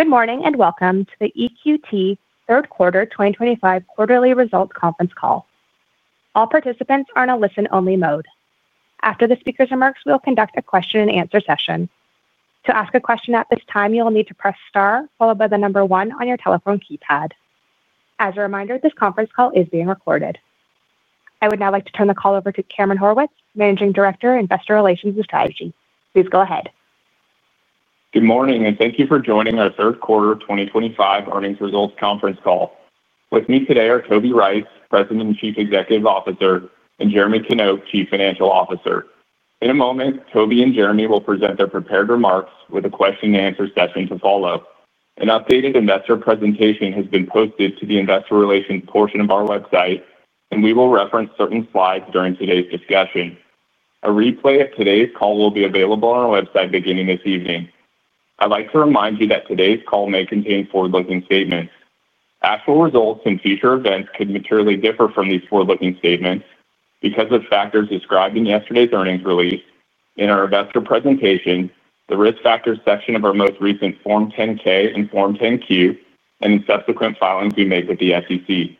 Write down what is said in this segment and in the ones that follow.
Good morning and welcome to the EQT third quarter 2025 quarterly results conference call. All participants are in a listen-only mode. After the speaker's remarks, we will conduct a question-and-answer session. To ask a question at this time, you will need to press star, followed by the number one on your telephone keypad. As a reminder, this conference call is being recorded. I would now like to turn the call over to Cameron Horwitz, Managing Director of Investor Relations and Strategy. Please go ahead. Good morning and thank you for joining our third quarter 2025 earnings results conference call. With me today are Toby Rice, President and Chief Executive Officer, and Jeremy Knop, Chief Financial Officer. In a moment, Toby and Jeremy will present their prepared remarks with a question-and-answer session to follow. An updated investor presentation has been posted to the Investor Relations portion of our website, and we will reference certain slides during today's discussion. A replay of today's call will be available on our website beginning this evening. I'd like to remind you that today's call may contain forward-looking statements. Actual results and future events could materially differ from these forward-looking statements because of factors described in yesterday's earnings release, in our investor presentation, the risk factors section of our most recent Form 10-K and Form 10-Q, and in subsequent filings we make with the SEC.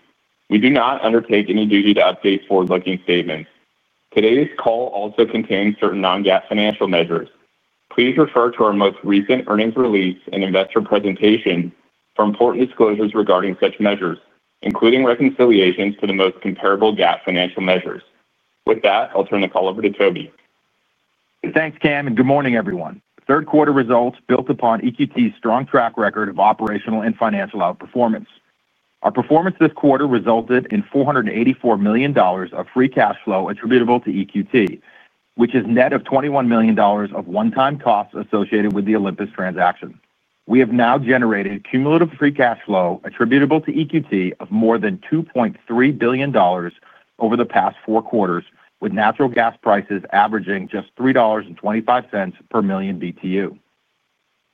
We do not undertake any duty to update forward-looking statements. Today's call also contains certain non-GAAP financial measures. Please refer to our most recent earnings release and investor presentation for important disclosures regarding such measures, including reconciliations for the most comparable GAAP financial measures. With that, I'll turn the call over to Toby. Thanks, Cam, and good morning, everyone. Third quarter results built upon EQT's strong track record of operational and financial outperformance. Our performance this quarter resulted in $484 million of free cash flow attributable to EQT, which is net of $21 million of one-time costs associated with the Olympus transaction. We have now generated cumulative free cash flow attributable to EQT of more than $2.3 billion over the past four quarters, with natural gas prices averaging just $3.25 per million BTU,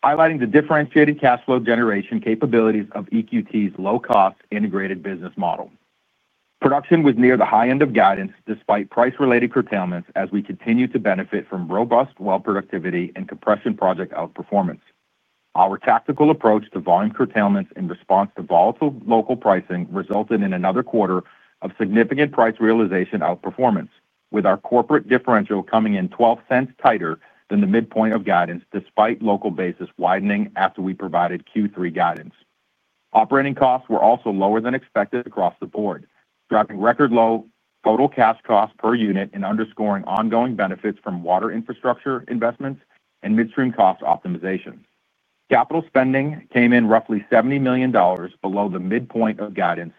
highlighting the differentiated cash flow generation capabilities of EQT's low-cost integrated business model. Production was near the high end of guidance despite price-related curtailments as we continue to benefit from robust productivity and compression project outperformance. Our tactical approach to volume curtailments in response to volatile local pricing resulted in another quarter of significant price realization outperformance, with our corporate differential coming in $0.12 tighter than the midpoint of guidance despite local basis widening after we provided Q3 guidance. Operating costs were also lower than expected across the board, dropping record low total cash costs per unit and underscoring ongoing benefits from water infrastructure investments and midstream cost optimizations. Capital spending came in roughly $70 million below the midpoint of guidance,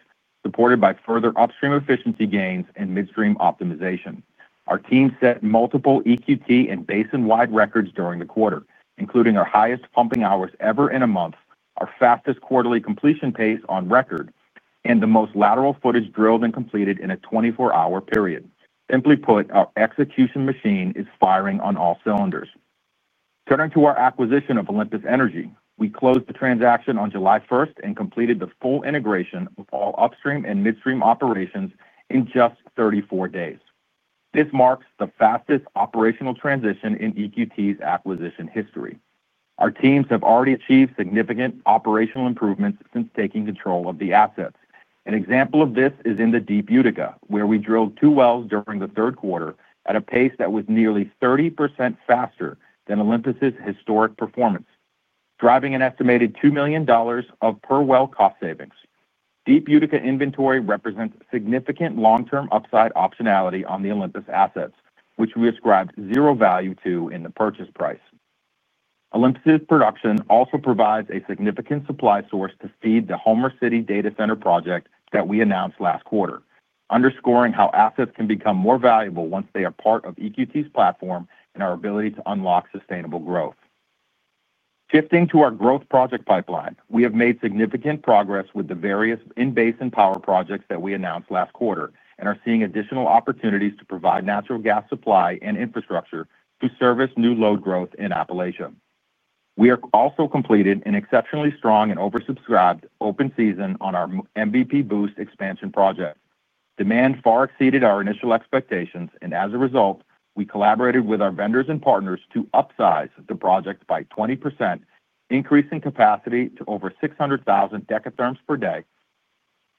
supported by further upstream efficiency gains and midstream optimization. Our team set multiple EQT and basin-wide records during the quarter, including our highest pumping hours ever in a month, our fastest quarterly completion pace on record, and the most lateral footage drilled and completed in a 24-hour period. Simply put, our execution machine is firing on all cylinders. Turning to our acquisition of Olympus Energy, we closed the transaction on July 1st and completed the full integration of all upstream and midstream operations in just 34 days. This marks the fastest operational transition in EQT's acquisition history. Our teams have already achieved significant operational improvements since taking control of the assets. An example of this is in the Deep Utica, where we drilled two wells during the third quarter at a pace that was nearly 30% faster than Olympus's historic performance, driving an estimated $2 million of per well cost savings. Deep Utica inventory represents significant long-term upside optionality on the Olympus assets, which we ascribed zero value to in the purchase price. Olympus's production also provides a significant supply source to feed the Homer City data center project that we announced last quarter, underscoring how assets can become more valuable once they are part of EQT's platform and our ability to unlock sustainable growth. Shifting to our growth project pipeline, we have made significant progress with the various in-base and power projects that we announced last quarter and are seeing additional opportunities to provide natural gas supply and infrastructure to service new load growth in Appalachia. We have also completed an exceptionally strong and oversubscribed open season on our MVP Boost expansion project. Demand far exceeded our initial expectations, and as a result, we collaborated with our vendors and partners to upsize the project by 20%, increasing capacity to over 600 MDth/d.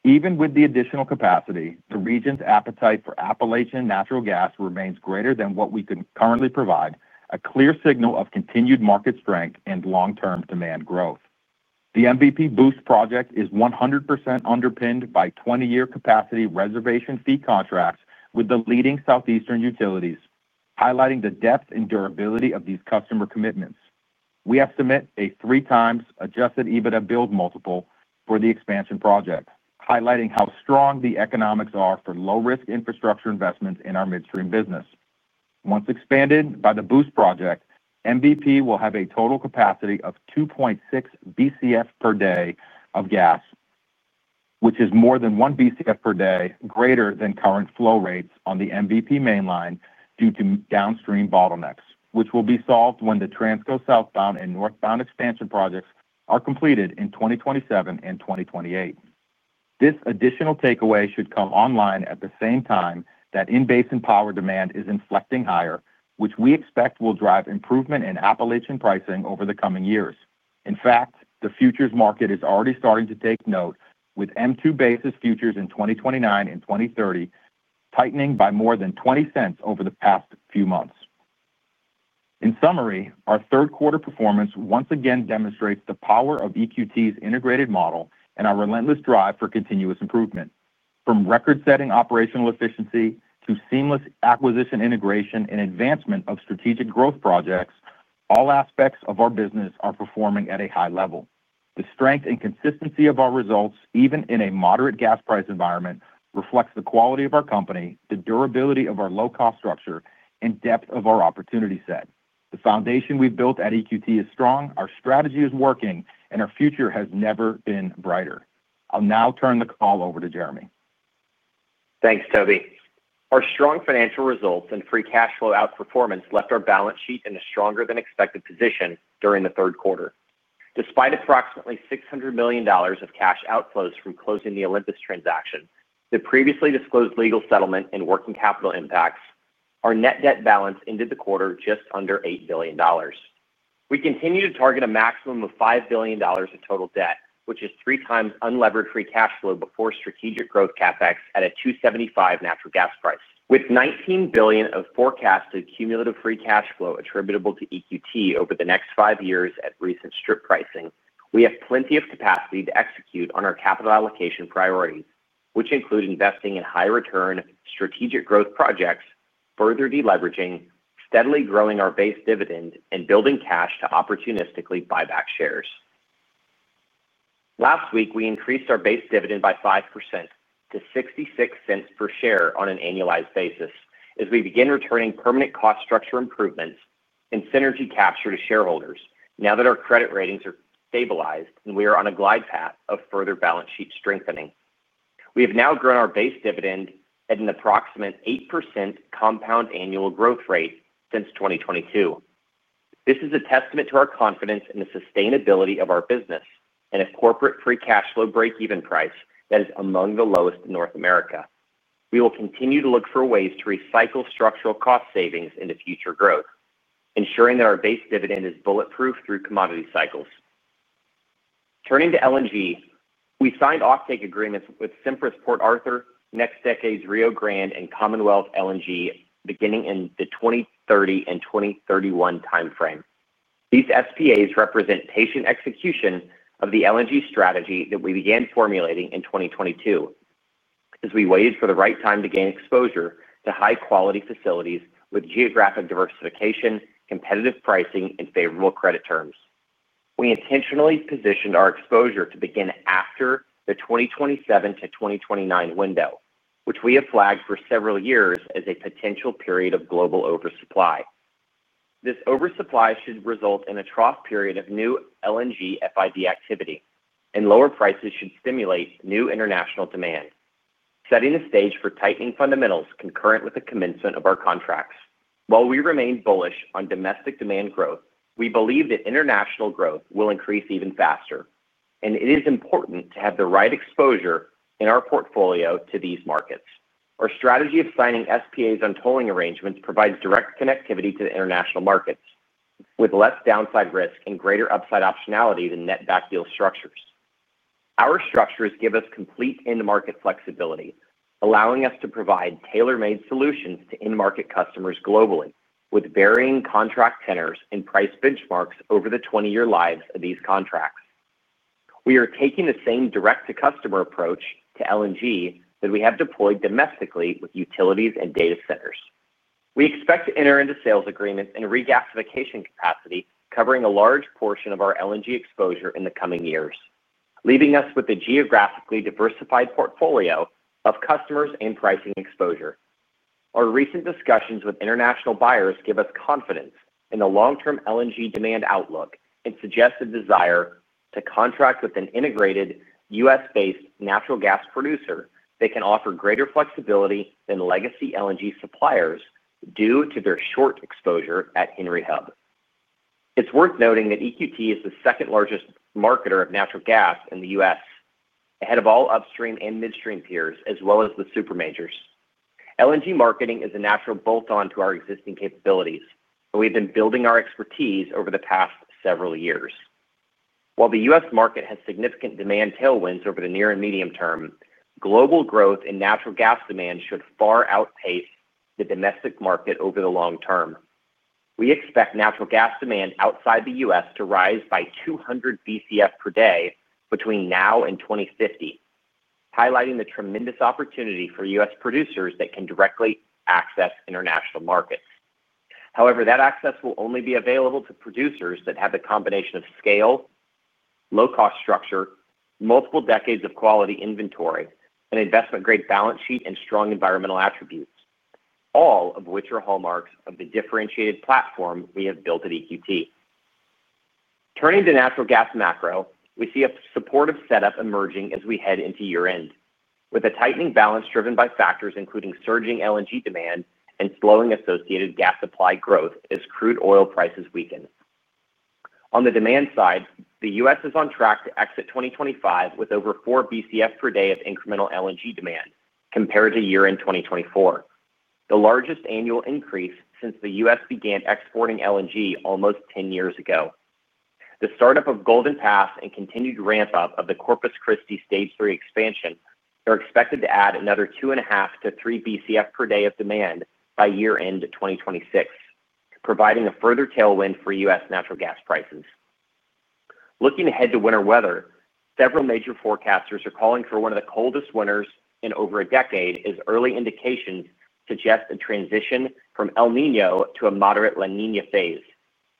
Even with the additional capacity, the region's appetite for Appalachian natural gas remains greater than what we can currently provide, a clear signal of continued market strength and long-term demand growth. The MVP Boost project is 100% underpinned by 20-year capacity reservation fee contracts with the leading Southeastern utilities, highlighting the depth and durability of these customer commitments. We have submitted a 3x adjusted EBITDA build multiple for the expansion project, highlighting how strong the economics are for low-risk infrastructure investments in our midstream business. Once expanded by the Boost project, MVP will have a total capacity of 2.6 Bcf per day of gas, which is more than one Bcf per day greater than current flow rates on the MVP mainline due to downstream bottlenecks, which will be solved when the Transco Southbound and Northbound expansion projects are completed in 2027 and 2028. This additional takeaway should come online at the same time that in-base and power demand is inflecting higher, which we expect will drive improvement in Appalachian pricing over the coming years. In fact, the futures market is already starting to take note, with M2 basis futures in 2029 and 2030 tightening by more than $0.20 over the past few months. In summary, our third quarter performance once again demonstrates the power of EQT's integrated model and our relentless drive for continuous improvement. From record-setting operational efficiency to seamless acquisition integration and advancement of strategic growth projects, all aspects of our business are performing at a high level. The strength and consistency of our results, even in a moderate gas price environment, reflect the quality of our company, the durability of our low-cost structure, and depth of our opportunity set. The foundation we've built at EQT is strong, our strategy is working, and our future has never been brighter. I'll now turn the call over to Jeremy. Thanks, Toby. Our strong financial results and free cash flow outperformance left our balance sheet in a stronger than expected position during the third quarter. Despite approximately $600 million of cash outflows from closing the Olympus transaction, the previously disclosed legal settlement, and working capital impacts, our net debt balance ended the quarter just under $8 billion. We continue to target a maximum of $5 billion of total debt, which is three times unleveraged free cash flow before strategic growth CapEx at a $2.75 natural gas price. With $19 billion of forecasted cumulative free cash flow attributable to EQT over the next five years at recent strip pricing, we have plenty of capacity to execute on our capital allocation priorities, which include investing in high-return strategic growth projects, further deleveraging, steadily growing our base dividend, and building cash to opportunistically buy back shares. Last week, we increased our base dividend by 5% to $0.66 per share on an annualized basis as we begin returning permanent cost structure improvements and synergy capture to shareholders now that our credit ratings are stabilized and we are on a glide path of further balance sheet strengthening. We have now grown our base dividend at an approximate 8% compound annual growth rate since 2022. This is a testament to our confidence in the sustainability of our business and a corporate free cash flow breakeven price that is among the lowest in North America. We will continue to look for ways to recycle structural cost savings into future growth, ensuring that our base dividend is bulletproof through commodity cycles. Turning to LNG, we signed offtake agreements with Sempra's Port Arthur, NextDecade's Rio Grande, and Commonwealth LNG beginning in the 2030 and 2031 timeframe. These SPAs represent patient execution of the LNG strategy that we began formulating in 2022 as we waited for the right time to gain exposure to high-quality facilities with geographic diversification, competitive pricing, and favorable credit terms. We intentionally positioned our exposure to begin after the 2027-2029 window, which we have flagged for several years as a potential period of global oversupply. This oversupply should result in a trough period of new LNG FID activity, and lower prices should stimulate new international demand, setting the stage for tightening fundamentals concurrent with the commencement of our contracts. While we remain bullish on domestic demand growth, we believe that international growth will increase even faster, and it is important to have the right exposure in our portfolio to these markets. Our strategy of signing SPAs on tolling arrangements provides direct connectivity to the international markets with less downside risk and greater upside optionality than net back deal structures. Our structures give us complete in-market flexibility, allowing us to provide tailor-made solutions to in-market customers globally with varying contract tenors and price benchmarks over the 20-year lives of these contracts. We are taking the same direct-to-customer approach to LNG that we have deployed domestically with utilities and data centers. We expect to enter into sales agreements and regasification capacity, covering a large portion of our LNG exposure in the coming years, leaving us with a geographically diversified portfolio of customers and pricing exposure. Our recent discussions with international buyers give us confidence in the long-term LNG demand outlook and suggest a desire to contract with an integrated U.S.-based natural gas producer that can offer greater flexibility than legacy LNG suppliers due to their short exposure at Henry Hub. It's worth noting that EQT is the second largest marketer of natural gas in the U.S., ahead of all upstream and midstream peers, as well as the super majors. LNG marketing is a natural bolt-on to our existing capabilities, and we've been building our expertise over the past several years. While the U.S. market has significant demand tailwinds over the near and medium term, global growth in natural gas demand should far outpace the domestic market over the long term. We expect natural gas demand outside the U.S. to rise by 200 Bcf per day between now and 2050, highlighting the tremendous opportunity for U.S. producers that can directly access international markets. However, that access will only be available to producers that have the combination of scale, low-cost structure, multiple decades of quality inventory, an investment-grade balance sheet, and strong environmental attributes, all of which are hallmarks of the differentiated platform we have built at EQT. Turning to natural gas macro, we see a supportive setup emerging as we head into year-end, with a tightening balance driven by factors including surging LNG demand and slowing associated gas supply growth as crude oil prices weaken. On the demand side, the U.S. is on track to exit 2025 with over 4 Bcf per day of incremental LNG demand compared to year-end 2024, the largest annual increase since the U.S. began exporting LNG almost 10 years ago. The startup of Golden Pass and continued ramp-up of the Corpus Christi Stage 3 expansion are expected to add another 2.5 Bcf-3 Bcf per day of demand by year-end 2026, providing a further tailwind for U.S. natural gas prices. Looking ahead to winter weather, several major forecasters are calling for one of the coldest winters in over a decade as early indications suggest a transition from El Niño to a moderate La Niña phase.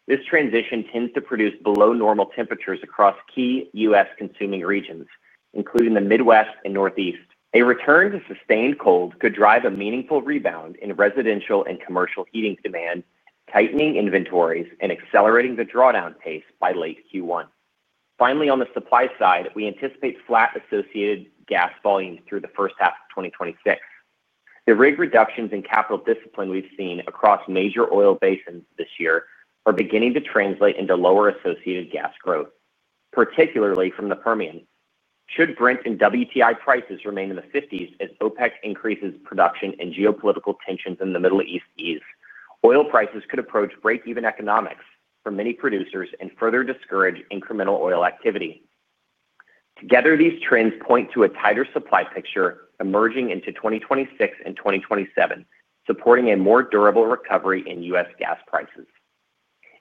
This transition tends to produce below-normal temperatures across key U.S. consuming regions, including the Midwest and Northeast. A return to sustained cold could drive a meaningful rebound in residential and commercial heating demand, tightening inventories, and accelerating the drawdown pace by late Q1. Finally, on the supply side, we anticipate flat associated gas volumes through the first half of 2026. The rig reductions in capital discipline we've seen across major oil basins this year are beginning to translate into lower associated gas growth, particularly from the Permian. Should Brent and WTI prices remain in the $50s as OPEC+ increases production and geopolitical tensions in the Middle East ease, oil prices could approach break-even economics for many producers and further discourage incremental oil activity. Together, these trends point to a tighter supply picture emerging into 2026 and 2027, supporting a more durable recovery in U.S. gas prices.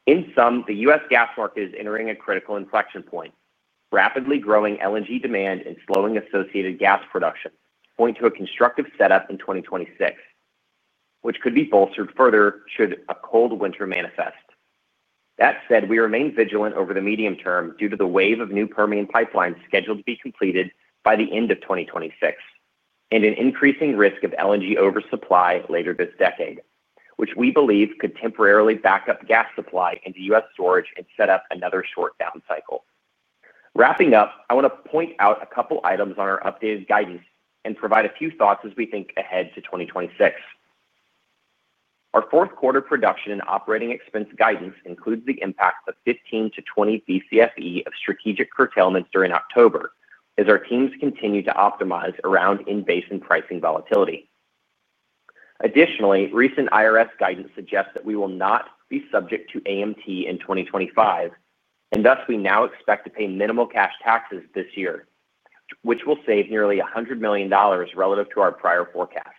In sum, the U.S. gas market is entering a critical inflection point. Rapidly growing LNG demand and slowing associated gas production point to a constructive setup in 2026, which could be bolstered further should a cold winter manifest. That said, we remain vigilant over the medium term due to the wave of new Permian pipelines scheduled to be completed by the end of 2026 and an increasing risk of LNG oversupply later this decade, which we believe could temporarily back up gas supply into U.S. storage and set up another short down cycle. Wrapping up, I want to point out a couple of items on our updated guidance and provide a few thoughts as we think ahead to 2026. Our fourth quarter production and operating expense guidance includes the impact of 15 Bcfe-20 Bcfe of strategic curtailments during October as our teams continue to optimize around in-base and pricing volatility. Additionally, recent IRS guidance suggests that we will not be subject to AMT in 2025, and thus we now expect to pay minimal cash taxes this year, which will save nearly $100 million relative to our prior forecast.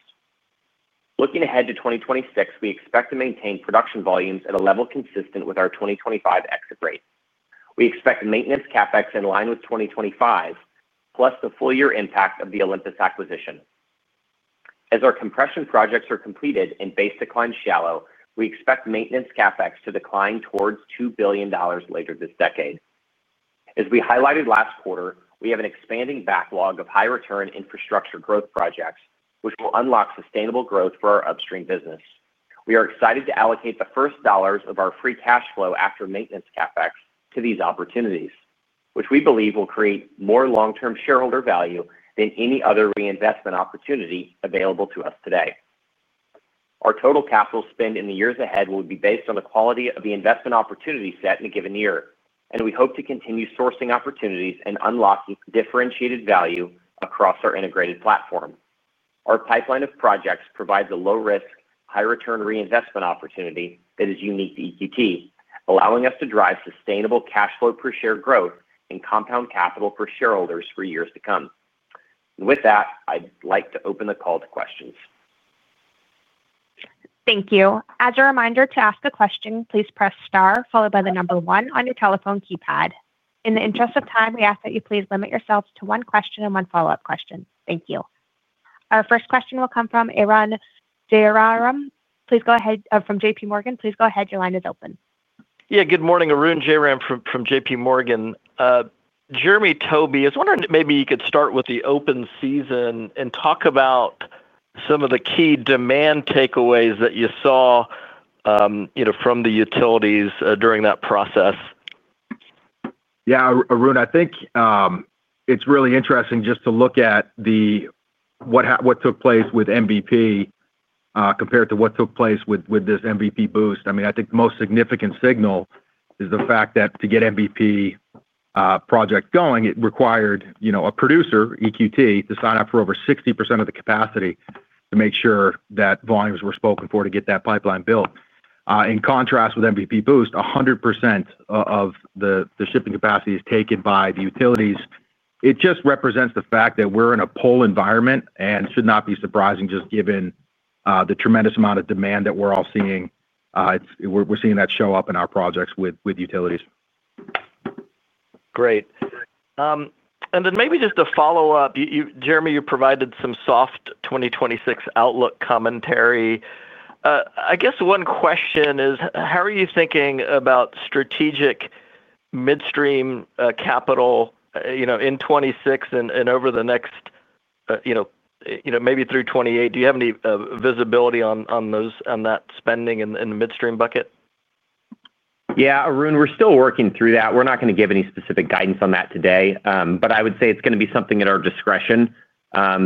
Looking ahead to 2026, we expect to maintain production volumes at a level consistent with our 2025 exit rate. We expect maintenance CapEx in line with 2025, plus the full-year impact of the Olympus acquisition. As our compression projects are completed and base decline shallow, we expect maintenance CapEx to decline towards $2 billion later this decade. As we highlighted last quarter, we have an expanding backlog of high-return infrastructure growth projects, which will unlock sustainable growth for our upstream business. We are excited to allocate the first dollars of our free cash flow after maintenance CapEx to these opportunities, which we believe will create more long-term shareholder value than any other reinvestment opportunity available to us today. Our total capital spend in the years ahead will be based on the quality of the investment opportunity set in a given year, and we hope to continue sourcing opportunities and unlocking differentiated value across our integrated platform. Our pipeline of projects provides a low-risk, high-return reinvestment opportunity that is unique to EQT, allowing us to drive sustainable cash flow per share growth and compound capital for shareholders for years to come. I would like to open the call to questions. Thank you. As a reminder, to ask a question, please press star followed by the number one on your telephone keypad. In the interest of time, we ask that you please limit yourselves to one question and one follow-up question. Thank you. Our first question will come from Arun Jayaram. Please go ahead. From JPMorgan, please go ahead. Your line is open. Good morning. Arun Jayaram from JPMorgan. Jeremy, Toby, I was wondering maybe you could start with the open season and talk about some of the key demand takeaways that you saw from the utilities during that process. Yeah, Arun, I think it's really interesting just to look at what took place with MVP compared to what took place with this MVP Boost. I think the most significant signal is the fact that to get MVP project going, it required a producer, EQT, to sign up for over 60% of the capacity to make sure that volumes were spoken for to get that pipeline built. In contrast, with MVP Boost, 100% of the shipping capacity is taken by the utilities. It just represents the fact that we're in a pull environment and should not be surprising just given the tremendous amount of demand that we're all seeing. We're seeing that show up in our projects with utilities. Great. Maybe just a follow-up. Jeremy, you provided some soft 2026 outlook commentary. I guess one question is, how are you thinking about strategic midstream capital in 2026 and over the next, you know, maybe through 2028? Do you have any visibility on that spending in the midstream bucket? Yeah, Arun, we're still working through that. We're not going to give any specific guidance on that today, but I would say it's going to be something at our discretion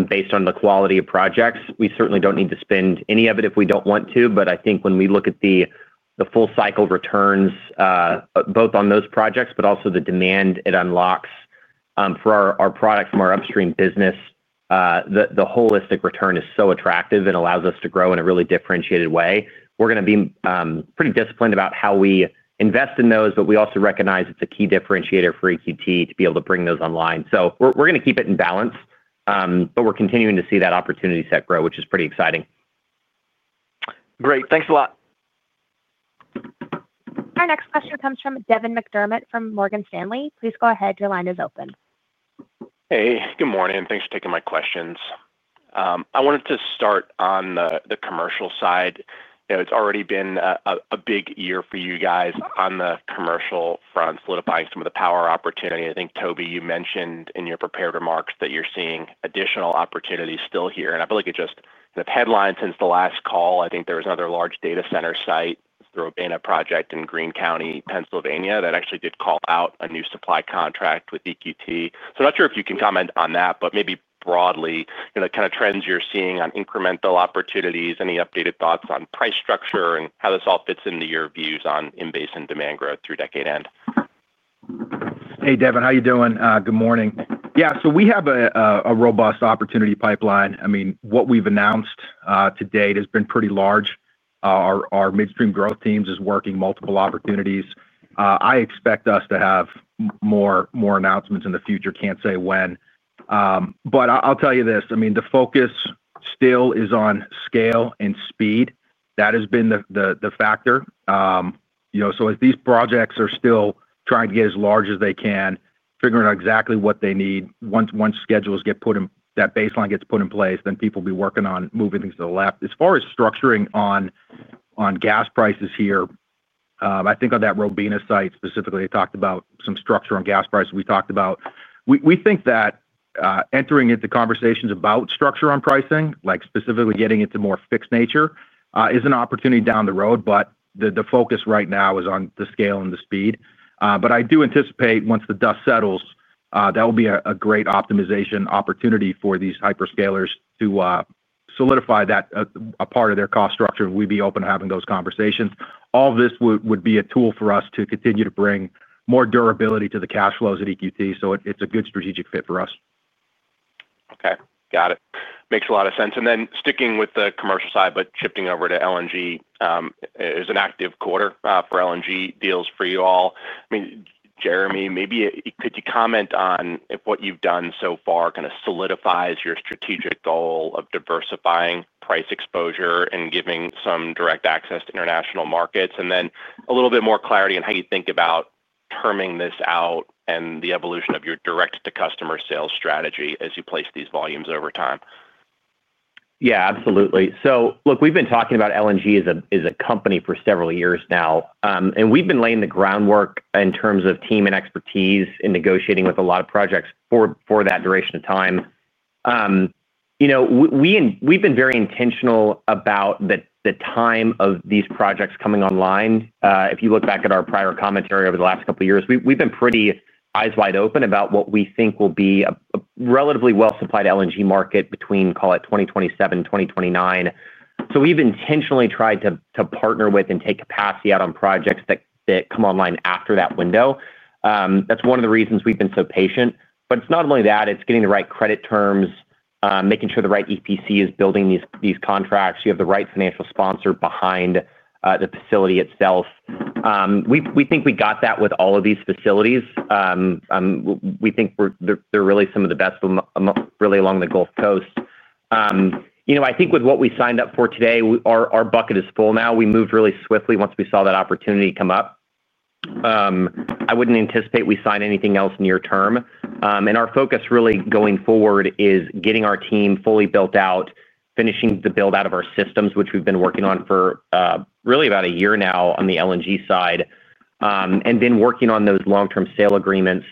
based on the quality of projects. We certainly don't need to spend any of it if we don't want to, but I think when we look at the full cycle returns, both on those projects and the demand it unlocks for our products from our upstream business, the holistic return is so attractive and allows us to grow in a really differentiated way. We're going to be pretty disciplined about how we invest in those, but we also recognize it's a key differentiator for EQT to be able to bring those online. We're going to keep it in balance, and we're continuing to see that opportunity set grow, which is pretty exciting. Great, thanks a lot. Our next question comes from Devin McDermott from Morgan Stanley. Please go ahead. Your line is open. Hey, good morning. Thanks for taking my questions. I wanted to start on the commercial side. It's already been a big year for you guys on the commercial front, solidifying some of the power opportunity. I think, Toby, you mentioned in your prepared remarks that you're seeing additional opportunities still here. I feel like it just kind of headlined since the last call. I think there was another large data center site through in a project in Greene County, Pennsylvania, that actually did call out a new supply contract with EQT. I'm not sure if you can comment on that, but maybe broadly, you know, the kind of trends you're seeing on incremental opportunities, any updated thoughts on price structure and how this all fits into your views on in-base and demand growth through decade end? Hey, Devin, how you doing? Good morning. Yeah, we have a robust opportunity pipeline. What we've announced to date has been pretty large. Our midstream growth teams are working on multiple opportunities. I expect us to have more announcements in the future. Can't say when. I'll tell you this, the focus still is on scale and speed. That has been the factor. As these projects are still trying to get as large as they can, figuring out exactly what they need, once schedules get put in, that baseline gets put in place, then people will be working on moving things to the left. As far as structuring on gas prices here, I think on that Robina site specifically, I talked about some structure on gas prices. We talked about, we think that entering into conversations about structure on pricing, like specifically getting into more fixed nature, is an opportunity down the road, but the focus right now is on the scale and the speed. I do anticipate once the dust settles, that will be a great optimization opportunity for these hyperscalers to solidify that a part of their cost structure. We'd be open to having those conversations. All of this would be a tool for us to continue to bring more durability to the cash flows at EQT. It's a good strategic fit for us. Okay, got it. Makes a lot of sense. Sticking with the commercial side, but shifting over to LNG, it was an active quarter for LNG deals for you all. Jeremy, maybe could you comment on if what you've done so far kind of solidifies your strategic goal of diversifying price exposure and giving some direct access to international markets? A little bit more clarity on how you think about terming this out and the evolution of your direct-to-customer sales strategy as you place these volumes over time. Yeah, absolutely. Look, we've been talking about LNG as a company for several years now, and we've been laying the groundwork in terms of team and expertise in negotiating with a lot of projects for that duration of time. We've been very intentional about the time of these projects coming online. If you look back at our prior commentary over the last couple of years, we've been pretty eyes wide open about what we think will be a relatively well-supplied LNG market between, call it, 2027 and 2029. We've intentionally tried to partner with and take capacity out on projects that come online after that window. That's one of the reasons we've been so patient. It's not only that, it's getting the right credit terms, making sure the right EPC is building these contracts. You have the right financial sponsor behind the facility itself. We think we got that with all of these facilities. We think they're really some of the best really along the Gulf Coast. I think with what we signed up for today, our bucket is full now. We moved really swiftly once we saw that opportunity come up. I wouldn't anticipate we sign anything else near term. Our focus really going forward is getting our team fully built out, finishing the build out of our systems, which we've been working on for really about a year now on the LNG side, and then working on those long-term sale agreements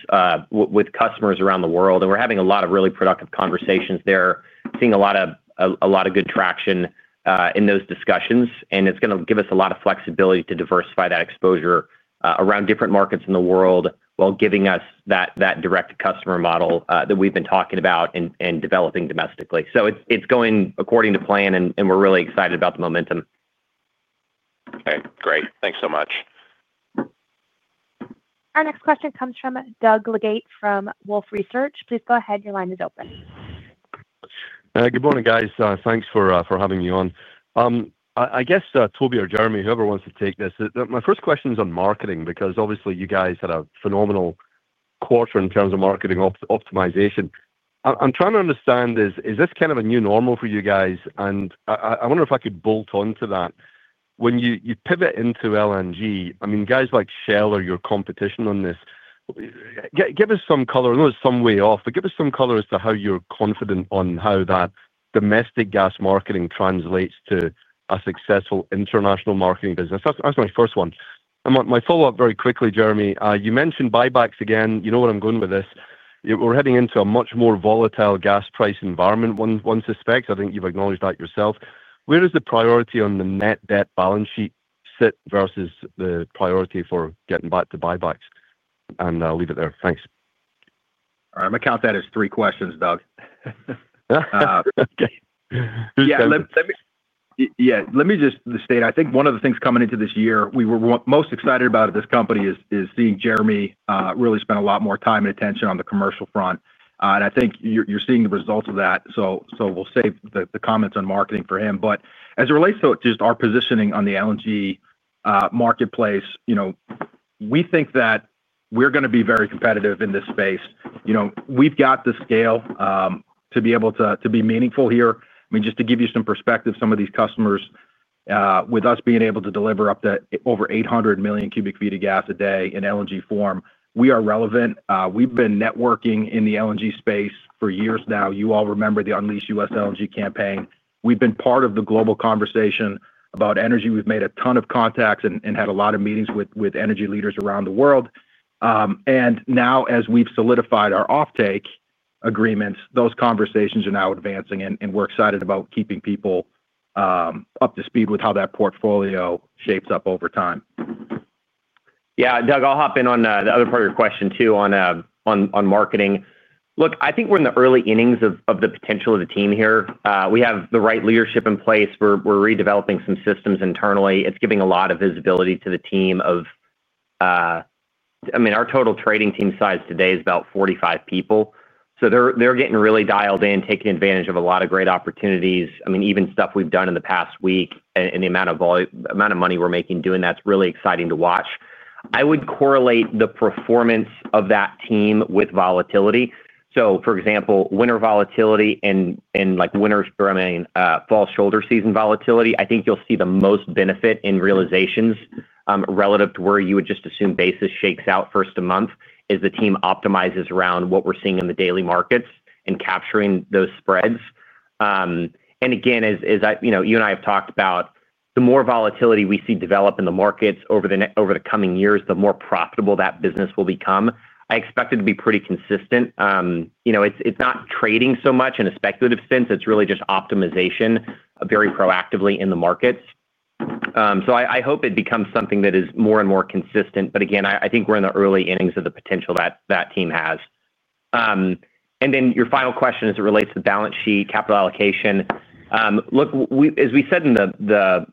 with customers around the world. We're having a lot of really productive conversations there, seeing a lot of good traction in those discussions. It's going to give us a lot of flexibility to diversify that exposure around different markets in the world while giving us that direct-to-customer model that we've been talking about and developing domestically. It's going according to plan, and we're really excited about the momentum. Okay, great. Thanks so much. Our next question comes from Doug Leggate from Wolfe Research. Please go ahead. Your line is open. Good morning, guys. Thanks for having me on. I guess Toby or Jeremy, whoever wants to take this, my first question is on marketing because obviously you guys had a phenomenal quarter in terms of marketing optimization. I'm trying to understand, is this kind of a new normal for you guys? I wonder if I could bolt on to that. When you pivot into LNG, I mean, guys like Shell are your competition on this. Give us some color. I know it's some way off, but give us some color as to how you're confident on how that domestic gas marketing translates to a successful international marketing business. That's my first one. I want my follow-up very quickly, Jeremy. You mentioned buybacks again. You know where I'm going with this. We're heading into a much more volatile gas price environment one suspects. I think you've acknowledged that yourself. Where does the priority on the net debt balance sheet sit versus the priority for getting back to buybacks? I'll leave it there. Thanks. I'm going to count that as three questions, Doug. Let me just state, I think one of the things coming into this year we were most excited about at this company is seeing Jeremy really spend a lot more time and attention on the commercial front. I think you're seeing the results of that. We'll save the comments on marketing for him. As it relates to just our positioning on the LNG marketplace, we think that we're going to be very competitive in this space. We've got the scale to be able to be meaningful here. Just to give you some perspective, some of these customers, with us being able to deliver up to over 800 million cubic feet of gas a day in LNG form, we are relevant. We've been networking in the LNG space for years now. You all remember the Unleash US LNG campaign. We've been part of the global conversation about energy. We've made a ton of contacts and had a lot of meetings with energy leaders around the world. Now, as we've solidified our offtake agreements, those conversations are now advancing, and we're excited about keeping people up to speed with how that portfolio shapes up over time. Doug, I'll hop in on the other part of your question, too, on marketing. Look, I think we're in the early innings of the potential of the team here. We have the right leadership in place. We're redeveloping some systems internally. It's giving a lot of visibility to the team. Our total trading team size today is about 45 people, so they're getting really dialed in, taking advantage of a lot of great opportunities. Even stuff we've done in the past week and the amount of money we're making doing that's really exciting to watch. I would correlate the performance of that team with volatility. For example, winter volatility and like winter's fair man, fall shoulder season volatility, I think you'll see the most benefit in realizations relative to where you would just assume basis shakes out first a month as the team optimizes around what we're seeing in the daily markets and capturing those spreads. As you and I have talked about, the more volatility we see develop in the markets over the coming years, the more profitable that business will become. I expect it to be pretty consistent. It's not trading so much in a speculative sense. It's really just optimization very proactively in the markets. I hope it becomes something that is more and more consistent. I think we're in the early innings of the potential that that team has. Your final question as it relates to the balance sheet capital allocation. As we said in the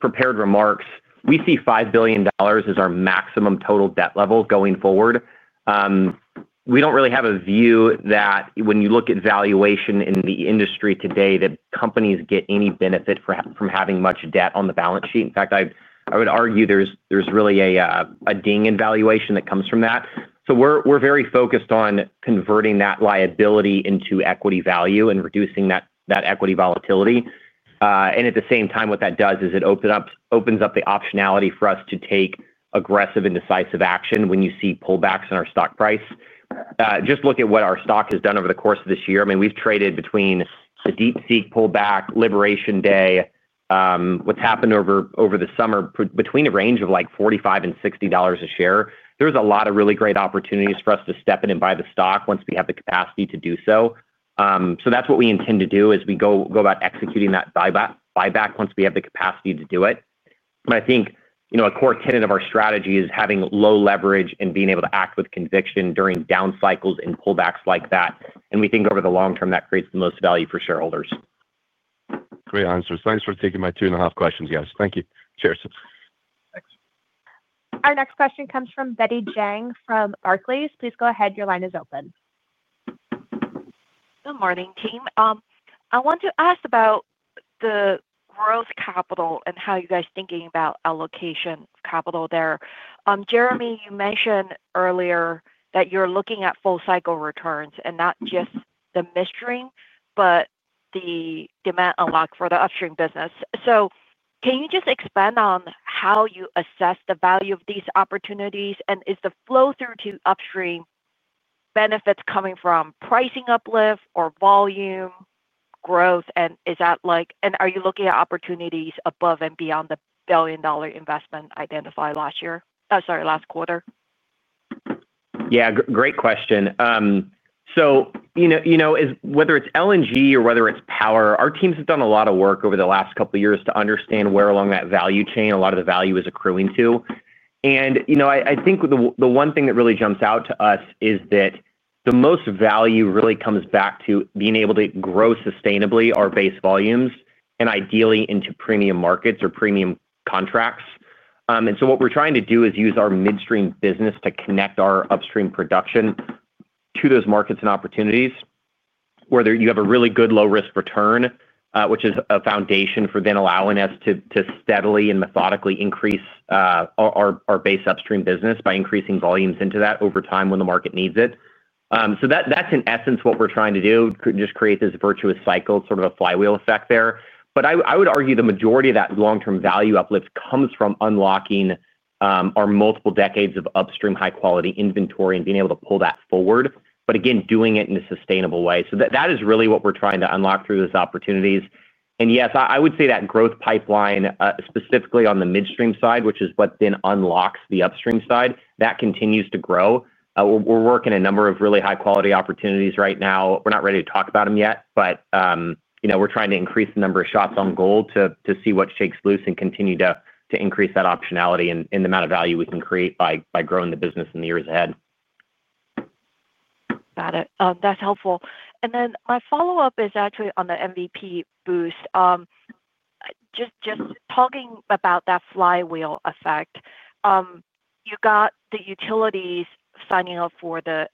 prepared remarks, we see $5 billion as our maximum total debt level going forward. We don't really have a view that when you look at valuation in the industry today, that companies get any benefit from having much debt on the balance sheet. In fact, I would argue there's really a ding in valuation that comes from that. We're very focused on converting that liability into equity value and reducing that equity volatility. At the same time, what that does is it opens up the optionality for us to take aggressive and decisive action when you see pullbacks in our stock price. Just look at what our stock has done over the course of this year. We've traded between a deep-seek pullback, Liberation Day, what's happened over the summer between a range of like $45 and $60 a share. There's a lot of really great opportunities for us to step in and buy the stock once we have the capacity to do so. That's what we intend to do as we go about executing that buyback once we have the capacity to do it. I think a core tenet of our strategy is having low leverage and being able to act with conviction during down cycles and pullbacks like that. We think over the long term, that creates the most value for shareholders. Great answers. Thanks for taking my two and a half questions, guys. Thank you. Cheers. Our next question comes from Betty Jiang from Barclays. Please go ahead. Your line is open. Good morning, team. I want to ask about the growth capital and how you guys are thinking about allocation of capital there. Jeremy, you mentioned earlier that you're looking at full cycle returns and not just the midstream, but the demand unlocked for the upstream business. Can you just expand on how you assess the value of these opportunities? Is the flow through to upstream benefits coming from pricing uplift or volume growth? Are you looking at opportunities above and beyond the $1 billion investment identified last quarter? Great question. Whether it's LNG or whether it's power, our teams have done a lot of work over the last couple of years to understand where along that value chain a lot of the value is accruing to. I think the one thing that really jumps out to us is that the most value really comes back to being able to grow sustainably our base volumes and ideally into premium markets or premium contracts. What we're trying to do is use our midstream business to connect our upstream production to those markets and opportunities where you have a really good low-risk return, which is a foundation for allowing us to steadily and methodically increase our base upstream business by increasing volumes into that over time when the market needs it. That's in essence what we're trying to do, just create this virtuous cycle, sort of a flywheel effect there. I would argue the majority of that long-term value uplift comes from unlocking our multiple decades of upstream high-quality inventory and being able to pull that forward, again doing it in a sustainable way. That is really what we're trying to unlock through those opportunities. Yes, I would say that growth pipeline specifically on the midstream side, which is what then unlocks the upstream side, continues to grow. We're working on a number of really high-quality opportunities right now. We're not ready to talk about them yet, but we're trying to increase the number of shots on goal to see what shakes loose and continue to increase that optionality and the amount of value we can create by growing the business in the years ahead. Got it. That's helpful. My follow-up is actually on the MVP Boost. Just talking about that flywheel effect, you got the utilities signing up for the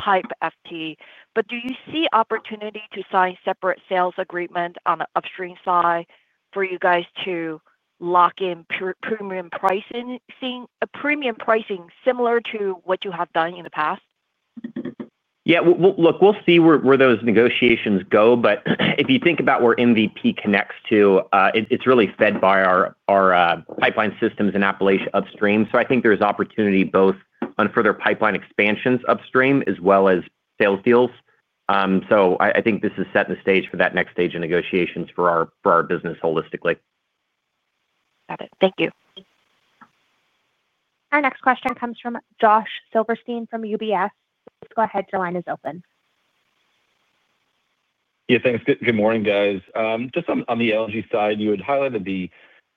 pipe FT, but do you see opportunity to sign separate sales agreements on the upstream side for you guys to lock in premium pricing similar to what you have done in the past? Yeah, look, we'll see where those negotiations go, but if you think about where MVP connects to, it's really fed by our pipeline systems in Appalachia upstream. I think there's opportunity both on further pipeline expansions upstream as well as sales deals. I think this is setting the stage for that next stage of negotiations for our business holistically. Got it. Thank you. Our next question comes from Josh Silverstein from UBS. Please go ahead. Your line is open. Yeah, thanks. Good morning, guys. Just on the LNG side, you had highlighted the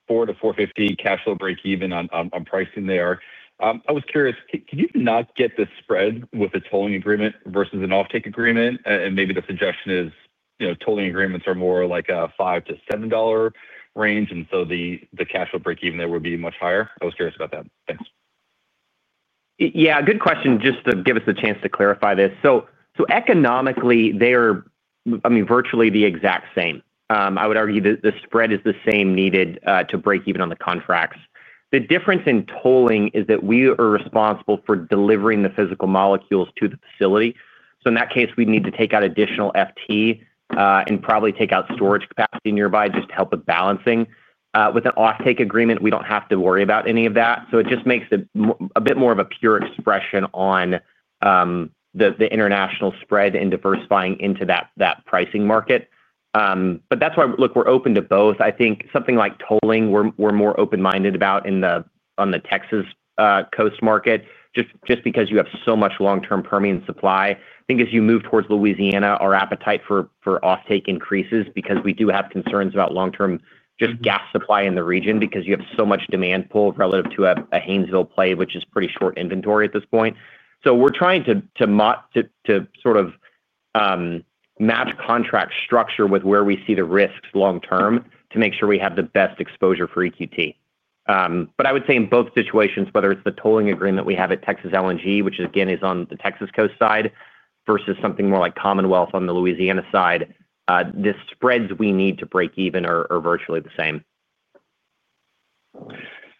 $4-$4.50 cash flow breakeven on pricing there. I was curious, could you not get this spread with a tolling agreement versus an offtake agreement? Maybe the suggestion is tolling agreements are more like a $5-$7 range, and the cash flow breakeven there would be much higher. I was curious about that. Thanks. Yeah, good question. Just to give us a chance to clarify this. Economically, they are virtually the exact same. I would argue that the spread is the same needed to break even on the contracts. The difference in tolling is that we are responsible for delivering the physical molecules to the facility. In that case, we'd need to take out additional FT and probably take out storage capacity nearby just to help with balancing. With an offtake agreement, we don't have to worry about any of that. It just makes it a bit more of a pure expression on the international spread and diversifying into that pricing market. That's why we're open to both. I think something like tolling, we're more open-minded about on the Texas coast market just because you have so much long-term Permian supply. As you move towards Louisiana, our appetite for offtake increases because we do have concerns about long-term just gas supply in the region, because you have so much demand pull relative to a Haynesville play, which is pretty short inventory at this point. We're trying to sort of match contract structure with where we see the risks long-term to make sure we have the best exposure for EQT. I would say in both situations, whether it's the tolling agreement we have at Texas LNG, which again is on the Texas coast side, versus something more like Commonwealth on the Louisiana side, the spreads we need to break even are virtually the same.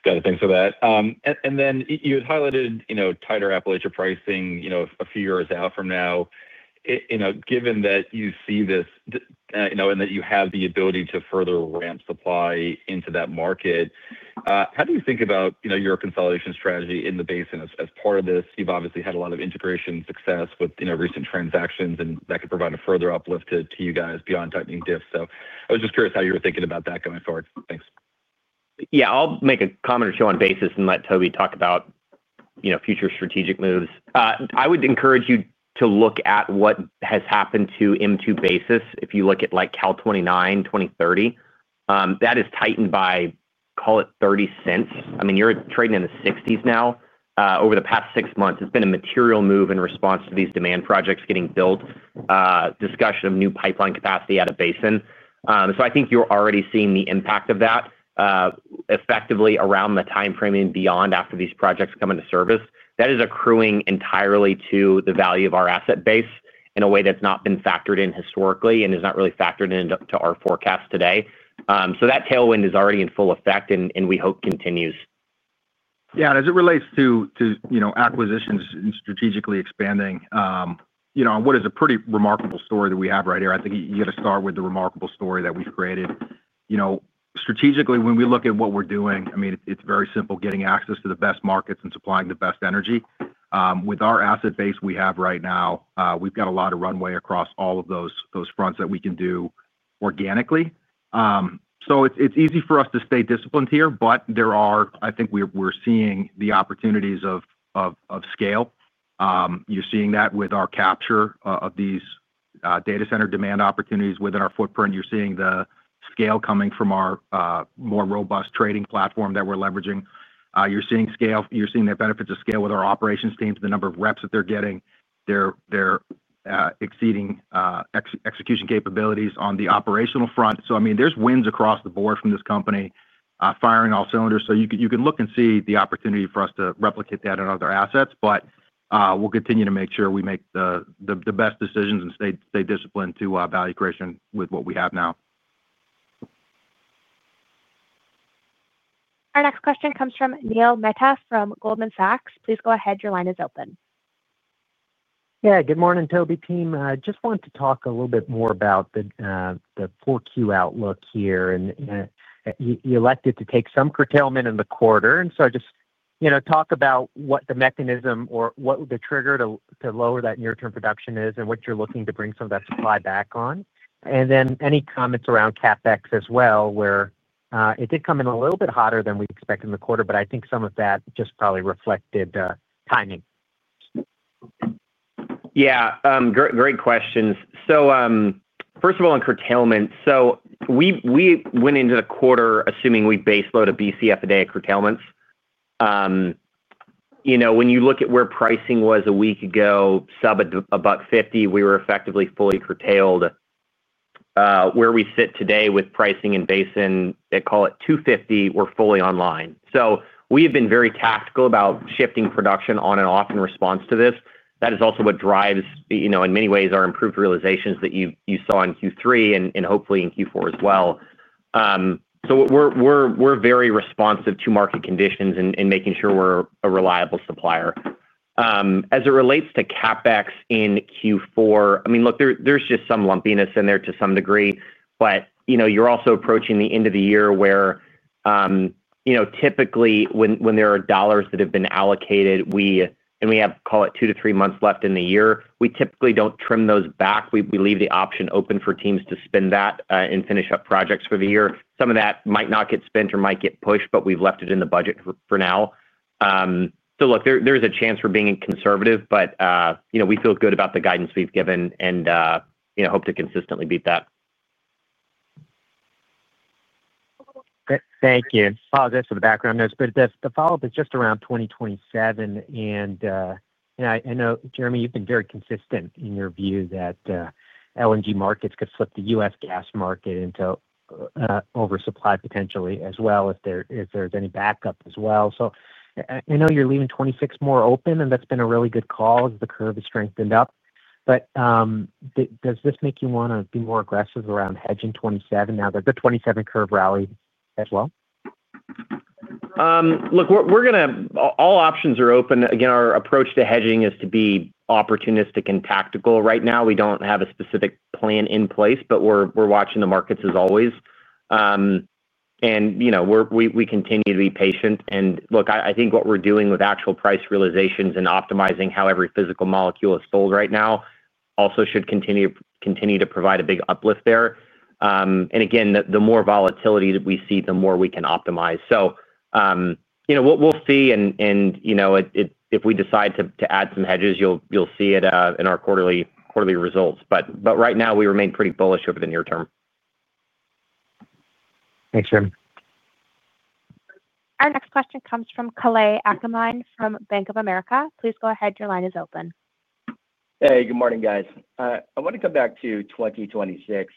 Got it. Thanks for that. You had highlighted tighter Appalachian pricing a few years out from now. Given that you see this and that you have the ability to further ramp supply into that market, how do you think about your consolidation strategy in the basin as part of this? You've obviously had a lot of integration success with recent transactions, and that could provide a further uplift to you guys beyond tightening diff. I was just curious how you were thinking about that going forward. Thanks. Yeah, I'll make a comment or two on basis and let Toby talk about future strategic moves. I would encourage you to look at what has happened to M2 basis. If you look at like Cal 2029, 2030, that has tightened by, call it, $0.30. I mean, you're trading in the $0.60s now. Over the past six months, it's been a material move in response to these demand projects getting built, discussion of new pipeline capacity at a basin. I think you're already seeing the impact of that effectively around the time frame and beyond after these projects come into service. That is accruing entirely to the value of our asset base in a way that's not been factored in historically and is not really factored into our forecast today. That tailwind is already in full effect, and we hope continues. Yeah, as it relates to acquisitions and strategically expanding, in what is a pretty remarkable story that we have right here, I think you have to start with the remarkable story that we've created. Strategically, when we look at what we're doing, it's very simple, getting access to the best markets and supplying the best energy. With our asset base we have right now, we've got a lot of runway across all of those fronts that we can do organically. It's easy for us to stay disciplined here, but I think we're seeing the opportunities of scale. You're seeing that with our capture of these data center demand opportunities within our footprint. You're seeing the scale coming from our more robust trading platform that we're leveraging. You're seeing scale. You're seeing the benefits of scale with our operations teams, the number of reps that they're getting, they're exceeding execution capabilities on the operational front. There are wins across the board from this company, firing on all cylinders. You can look and see the opportunity for us to replicate that in other assets, but we'll continue to make sure we make the best decisions and stay disciplined to value creation with what we have now. Our next question comes from Neil Mehta from Goldman Sachs. Please go ahead. Your line is open. Good morning, Toby, team. I just want to talk a little bit more about the 4Q outlook here. You elected to take some curtailment in the quarter. I just want to talk about what the mechanism or what the trigger to lower that near-term production is and what you're looking to bring some of that supply back on. Any comments around CapEx as well, where it did come in a little bit hotter than we expected in the quarter, but I think some of that probably reflected timing. Yeah, great questions. First of all, on curtailment, we went into the quarter assuming we'd base load a Bcf a day of curtailments. When you look at where pricing was a week ago, sub about $0.50, we were effectively fully curtailed. Where we sit today with pricing in basin, they call it $2.50, we're fully online. We have been very tactical about shifting production on and off in response to this. That is also what drives, in many ways, our improved realizations that you saw in Q3 and hopefully in Q4 as well. We're very responsive to market conditions and making sure we're a reliable supplier. As it relates to CapEx in Q4, there's just some lumpiness in there to some degree, but you're also approaching the end of the year where, typically when there are dollars that have been allocated, and we have, call it, two to three months left in the year, we typically don't trim those back. We leave the option open for teams to spend that and finish up projects for the year. Some of that might not get spent or might get pushed, but we've left it in the budget for now. There's a chance for being conservative, but we feel good about the guidance we've given and hope to consistently beat that. Thank you. Just for the background notes, the follow-up is just around 2027. I know, Jeremy, you've been very consistent in your view that LNG markets could flip the U.S. gas market into oversupply potentially as well if there's any backup as well. I know you're leaving 2026 more open, and that's been a really good call as the curve has strengthened up. Does this make you want to be more aggressive around hedging 2027 now that the 2027 curve rallied as well? Look, we're going to, all options are open. Again, our approach to hedging is to be opportunistic and tactical. Right now, we don't have a specific plan in place, but we're watching the markets as always. We continue to be patient. I think what we're doing with actual price realizations and optimizing how every physical molecule is sold right now also should continue to provide a big uplift there. The more volatility that we see, the more we can optimize. We'll see. If we decide to add some hedges, you'll see it in our quarterly results. Right now, we remain pretty bullish over the near term. Thanks, Jeremy. Our next question comes from Kalei Akamine from Bank of America. Please go ahead. Your line is open. Hey, good morning, guys. I want to come back to 2026.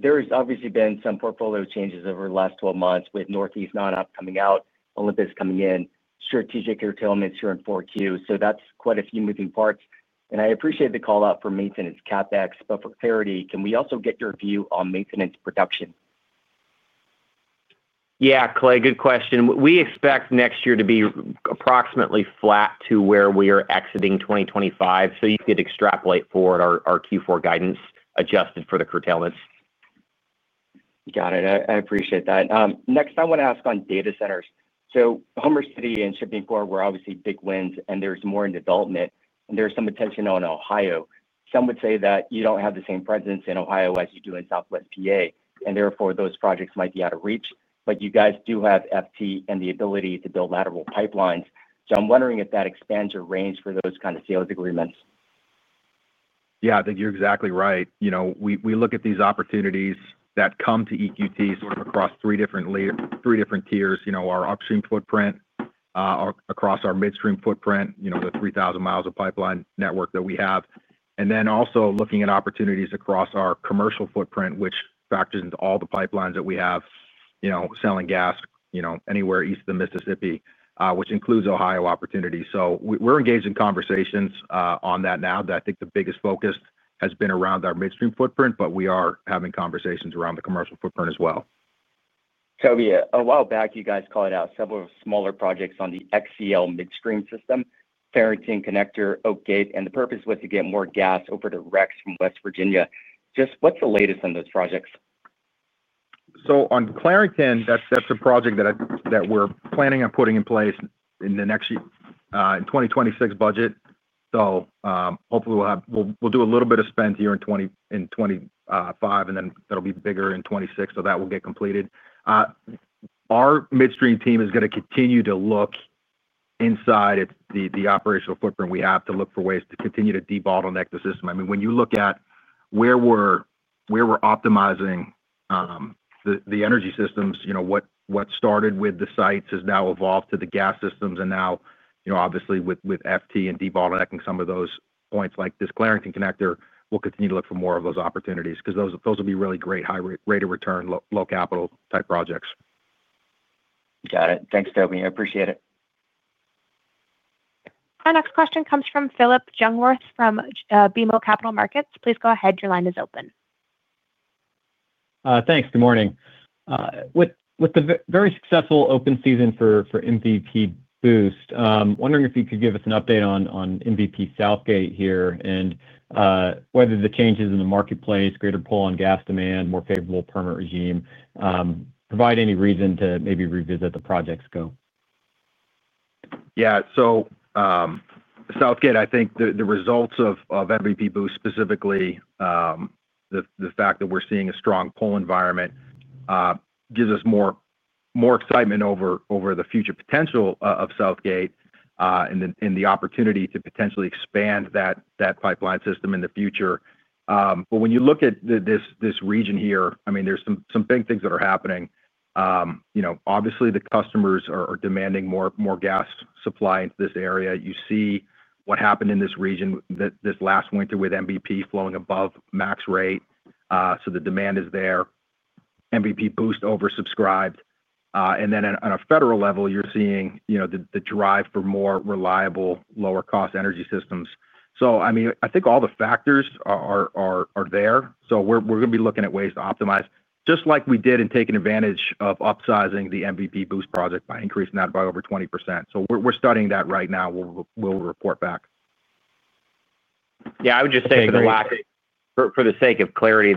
There's obviously been some portfolio changes over the last 12 months with Northeast non-op coming out, Olympus coming in, strategic curtailments here in 4Q. That's quite a few moving parts. I appreciate the call out for maintenance CapEx, but for clarity, can we also get your view on maintenance production? Yeah, Kalei, good question. We expect next year to be approximately flat to where we are exiting 2025. You could extrapolate forward our Q4 guidance adjusted for the curtailments. Got it. I appreciate that. Next, I want to ask on data centers. Homer City and Shippingport were obviously big wins, and there's more in development, and there's some attention on Ohio. Some would say that you don't have the same presence in Ohio as you do in Southwest PA, and therefore those projects might be out of reach. You guys do have FT and the ability to build lateral pipelines. I'm wondering if that expands your range for those kind of sales agreements. Yeah, I think you're exactly right. We look at these opportunities that come to EQT sort of across three different tiers: our upstream footprint, across our midstream footprint, the 3,000 mi of pipeline network that we have, and then also looking at opportunities across our commercial footprint, which factors into all the pipelines that we have, selling gas anywhere east of the Mississippi, which includes Ohio opportunities. We're engaged in conversations on that now. I think the biggest focus has been around our midstream footprint, but we are having conversations around the commercial footprint as well. Toby, a while back, you guys called out several smaller projects on the XCL midstream system, Farrington Connector, Oakgate, and the purpose was to get more gas over to REX from West Virginia. Just what's the latest on those projects? On Clarington, that's a project that we're planning on putting in place in the next year in the 2026 budget. Hopefully, we'll do a little bit of spend here in 2025, and then that'll be bigger in 2026. That will get completed. Our midstream team is going to continue to look inside the operational footprint we have to look for ways to continue to de-bottleneck the system. When you look at where we're optimizing the energy systems, what started with the sites has now evolved to the gas systems. Now, obviously with FT and de-bottlenecking some of those points like this Clarington Connector, we'll continue to look for more of those opportunities because those will be really great high rate of return, low capital type projects. Got it. Thanks, Toby. I appreciate it. Our next question comes from Philip Jungwirth from BMO Capital Markets. Please go ahead. Your line is open. Thanks. Good morning. With the very successful open season for MVP Boost, I'm wondering if you could give us an update on MVP Southgate here, and whether the changes in the marketplace, greater pull on gas demand, more favorable permit regime, provide any reason to maybe revisit the project scope? Yeah. So Southgate, I think the results of MVP Boost specifically, the fact that we're seeing a strong pull environment gives us more excitement over the future potential of Southgate and the opportunity to potentially expand that pipeline system in the future. When you look at this region here, I mean, there's some big things that are happening. Obviously, the customers are demanding more gas supply into this area. You see what happened in this region this last winter with MVP flowing above max rate. The demand is there. MVP Boost oversubscribed. On a federal level, you're seeing the drive for more reliable, lower-cost energy systems. I mean, I think all the factors are there. We're going to be looking at ways to optimize, just like we did in taking advantage of upsizing the MVP Boost project by increasing that by over 20%. We're studying that right now. We'll report back. I would just say for the sake of clarity,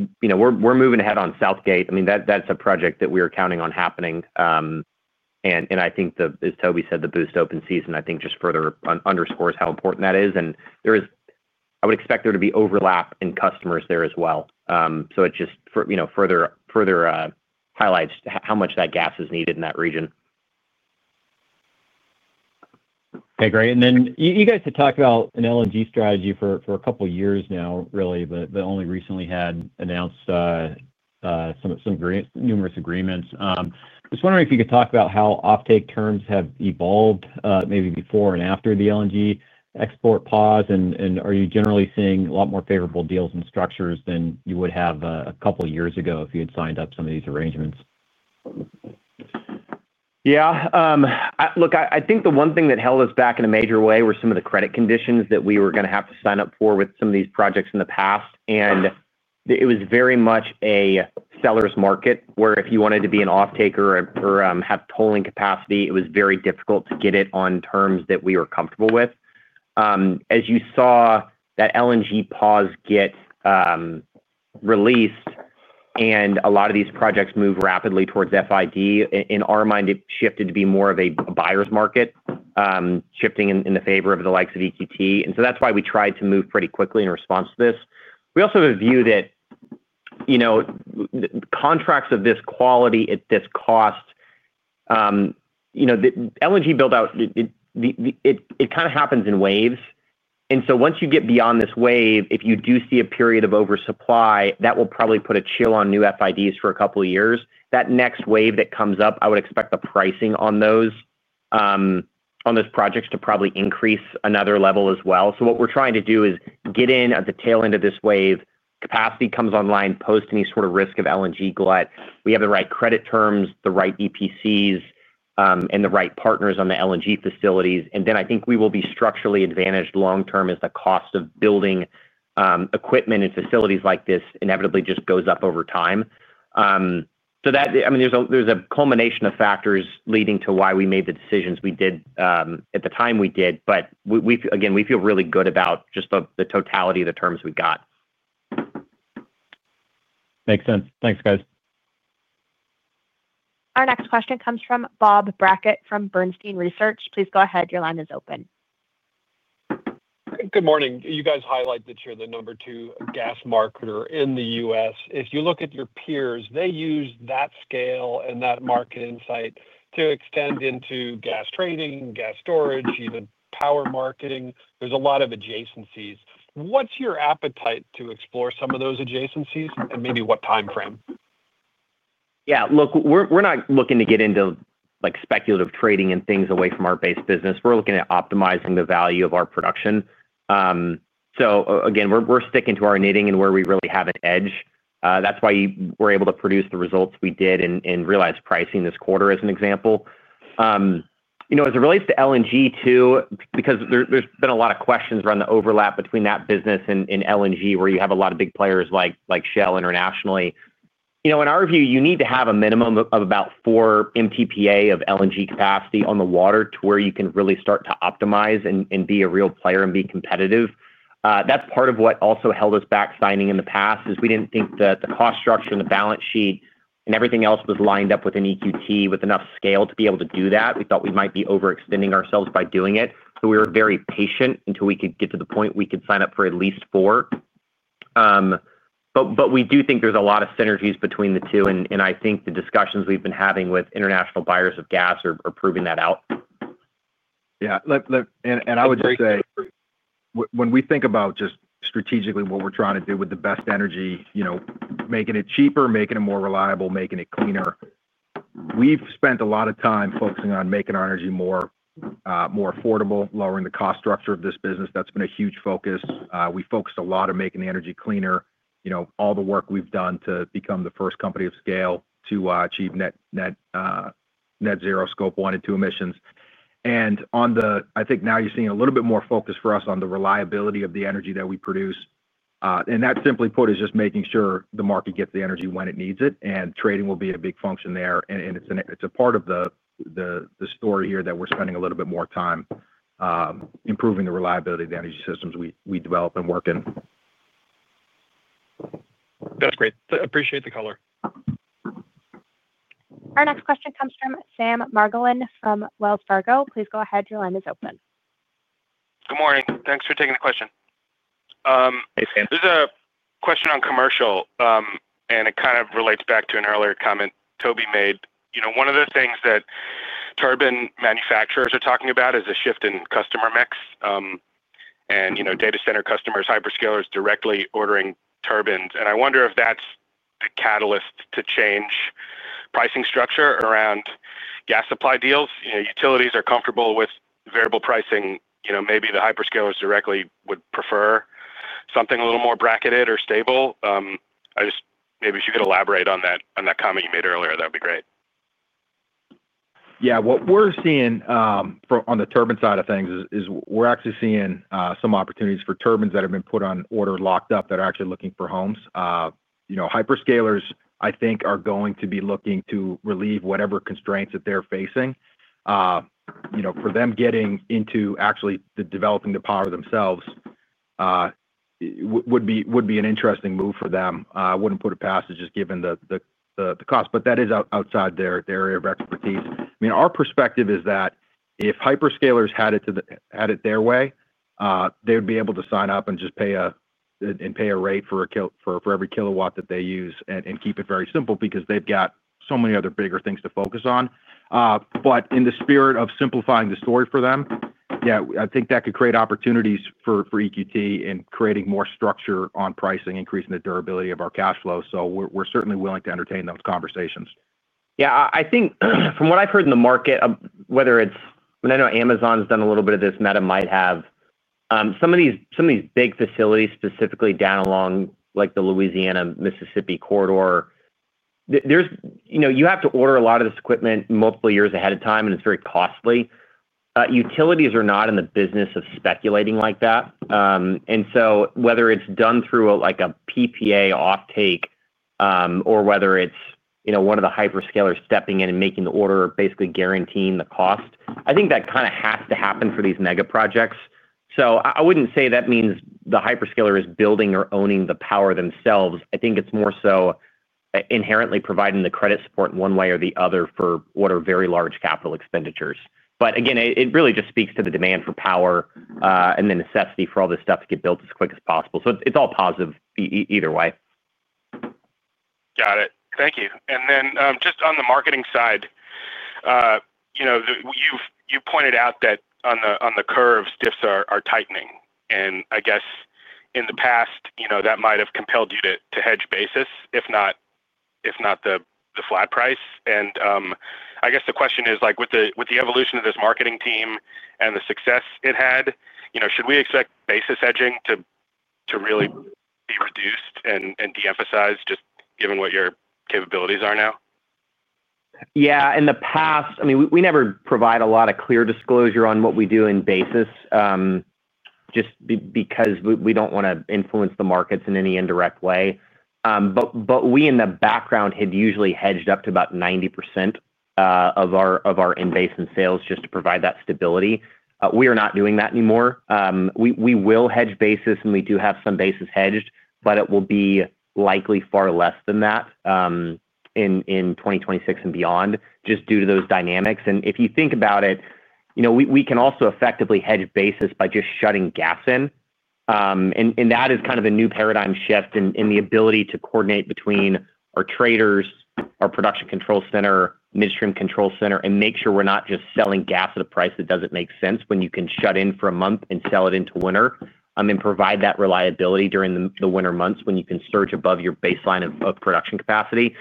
we're moving ahead on Southgate. That's a project that we are counting on happening. I think, as Toby said, the Boost open season just further underscores how important that is. I would expect there to be overlap in customers there as well. It just further highlights how much that gas is needed in that region. Okay, great. You guys have talked about an LNG strategy for a couple of years now, really, but only recently had announced some numerous agreements. I was wondering if you could talk about how offtake terms have evolved maybe before and after the LNG export pause. Are you generally seeing a lot more favorable deals and structures than you would have a couple of years ago if you had signed up some of these arrangements? Yeah. Look, I think the one thing that held us back in a major way were some of the credit conditions that we were going to have to sign up for with some of these projects in the past. It was very much a seller's market where if you wanted to be an offtaker or have tolling capacity, it was very difficult to get it on terms that we were comfortable with. As you saw that LNG pause get released and a lot of these projects move rapidly towards FID, in our mind, it shifted to be more of a buyer's market, shifting in the favor of the likes of EQT. That's why we tried to move pretty quickly in response to this. We also have a view that, you know, contracts of this quality at this cost, you know, the LNG build-out, it kind of happens in waves. Once you get beyond this wave, if you do see a period of oversupply, that will probably put a chill on new FIDs for a couple of years. That next wave that comes up, I would expect the pricing on those projects to probably increase another level as well. What we're trying to do is get in at the tail end of this wave. Capacity comes online post any sort of risk of LNG glut. We have the right credit terms, the right EPCs, and the right partners on the LNG facilities. I think we will be structurally advantaged long-term as the cost of building equipment and facilities like this inevitably just goes up over time. There is a culmination of factors leading to why we made the decisions we did at the time we did. Again, we feel really good about just the totality of the terms we got. Makes sense. Thanks, guys. Our next question comes from Bob Brackett from Bernstein Research. Please go ahead. Your line is open. Good morning. You guys highlighted that you're the number two gas marketer in the U.S. If you look at your peers, they use that scale and that market insight to extend into gas trading, gas storage, even power marketing. There's a lot of adjacencies. What's your appetite to explore some of those adjacencies and maybe what timeframe? Yeah, look, we're not looking to get into speculative trading and things away from our base business. We're looking at optimizing the value of our production. Again, we're sticking to our knitting and where we really have an edge. That's why we're able to produce the results we did and realize pricing this quarter as an example. As it relates to LNG too, because there's been a lot of questions around the overlap between that business and LNG where you have a lot of big players like Shell internationally. In our view, you need to have a minimum of about 4 Mtpa of LNG capacity on the water to where you can really start to optimize and be a real player and be competitive. That's part of what also held us back signing in the past, as we didn't think that the cost structure and the balance sheet and everything else was lined up with an EQT with enough scale to be able to do that. We thought we might be overextending ourselves by doing it. We were very patient until we could get to the point we could sign up for at least 4 Mtpa. We do think there's a lot of synergies between the two. I think the discussions we've been having with international buyers of gas are proving that out. Yeah, I would just say when we think about just strategically what we're trying to do with the best energy, you know, making it cheaper, making it more reliable, making it cleaner, we've spent a lot of time focusing on making our energy more affordable, lowering the cost structure of this business. That's been a huge focus. We focused a lot on making the energy cleaner, you know, all the work we've done to become the first company of scale to achieve net zero Scope 1 and 2 emissions. I think now you're seeing a little bit more focus for us on the reliability of the energy that we produce. That, simply put, is just making sure the market gets the energy when it needs it. Trading will be a big function there. It's a part of the story here that we're spending a little bit more time improving the reliability of the energy systems we develop and work in. That's great. Appreciate the color. Our next question comes from Sam Margolin from Wells Fargo. Please go ahead. Your line is open. Good morning. Thanks for taking the question. Hey, Sam. There's a question on commercial, and it kind of relates back to an earlier comment Toby made. One of the things that turbine manufacturers are talking about is a shift in customer mix. Data center customers, hyperscalers directly ordering turbines. I wonder if that's the catalyst to change pricing structure around gas supply deals. Utilities are comfortable with variable pricing. Maybe the hyperscalers directly would prefer something a little more bracketed or stable. If you could elaborate on that comment you made earlier, that would be great. Yeah, what we're seeing on the turbine side of things is we're actually seeing some opportunities for turbines that have been put on order, locked up, that are actually looking for homes. Hyperscalers, I think, are going to be looking to relieve whatever constraints that they're facing. For them, getting into actually developing the power themselves would be an interesting move for them. I wouldn't put it past it just given the cost, but that is outside their area of expertise. Our perspective is that if hyperscalers had it their way, they would be able to sign up and just pay a rate for every kilowatt that they use and keep it very simple because they've got so many other bigger things to focus on. In the spirit of simplifying the story for them, I think that could create opportunities for EQT in creating more structure on pricing, increasing the durability of our cash flow. We're certainly willing to entertain those conversations. I think from what I've heard in the market, whether it's, I mean, I know Amazon's done a little bit of this, Meta might have, some of these big facilities, specifically down along the Louisiana-Mississippi corridor, you have to order a lot of this equipment multiple years ahead of time, and it's very costly. Utilities are not in the business of speculating like that. Whether it's done through a PPA offtake or one of the hyperscalers stepping in and making the order, basically guaranteeing the cost, I think that kind of has to happen for these mega projects. I wouldn't say that means the hyperscaler is building or owning the power themselves. I think it's more so inherently providing the credit support in one way or the other for what are very large capital expenditures. It really just speaks to the demand for power and the necessity for all this stuff to get built as quick as possible. It's all positive either way. Got it. Thank you. Just on the marketing side, you pointed out that on the curve, diffs are tightening. I guess in the past, that might have compelled you to hedge basis, if not the flat price. The question is, with the evolution of this marketing team and the success it had, should we expect basis hedging to really be reduced and de-emphasized, just given what your capabilities are now? Yeah, in the past, I mean, we never provide a lot of clear disclosure on what we do in basis, just because we don't want to influence the markets in any indirect way. We in the background had usually hedged up to about 90% of our in-basin sales just to provide that stability. We are not doing that anymore. We will hedge basis, and we do have some basis hedged, but it will be likely far less than that in 2026 and beyond, just due to those dynamics. If you think about it, you know, we can also effectively hedge basis by just shutting gas in. That is kind of a new paradigm shift in the ability to coordinate between our traders, our production control center, midstream control center, and make sure we're not just selling gas at a price that doesn't make sense when you can shut in for a month and sell it into winter and provide that reliability during the winter months when you can surge above your baseline of production capacity.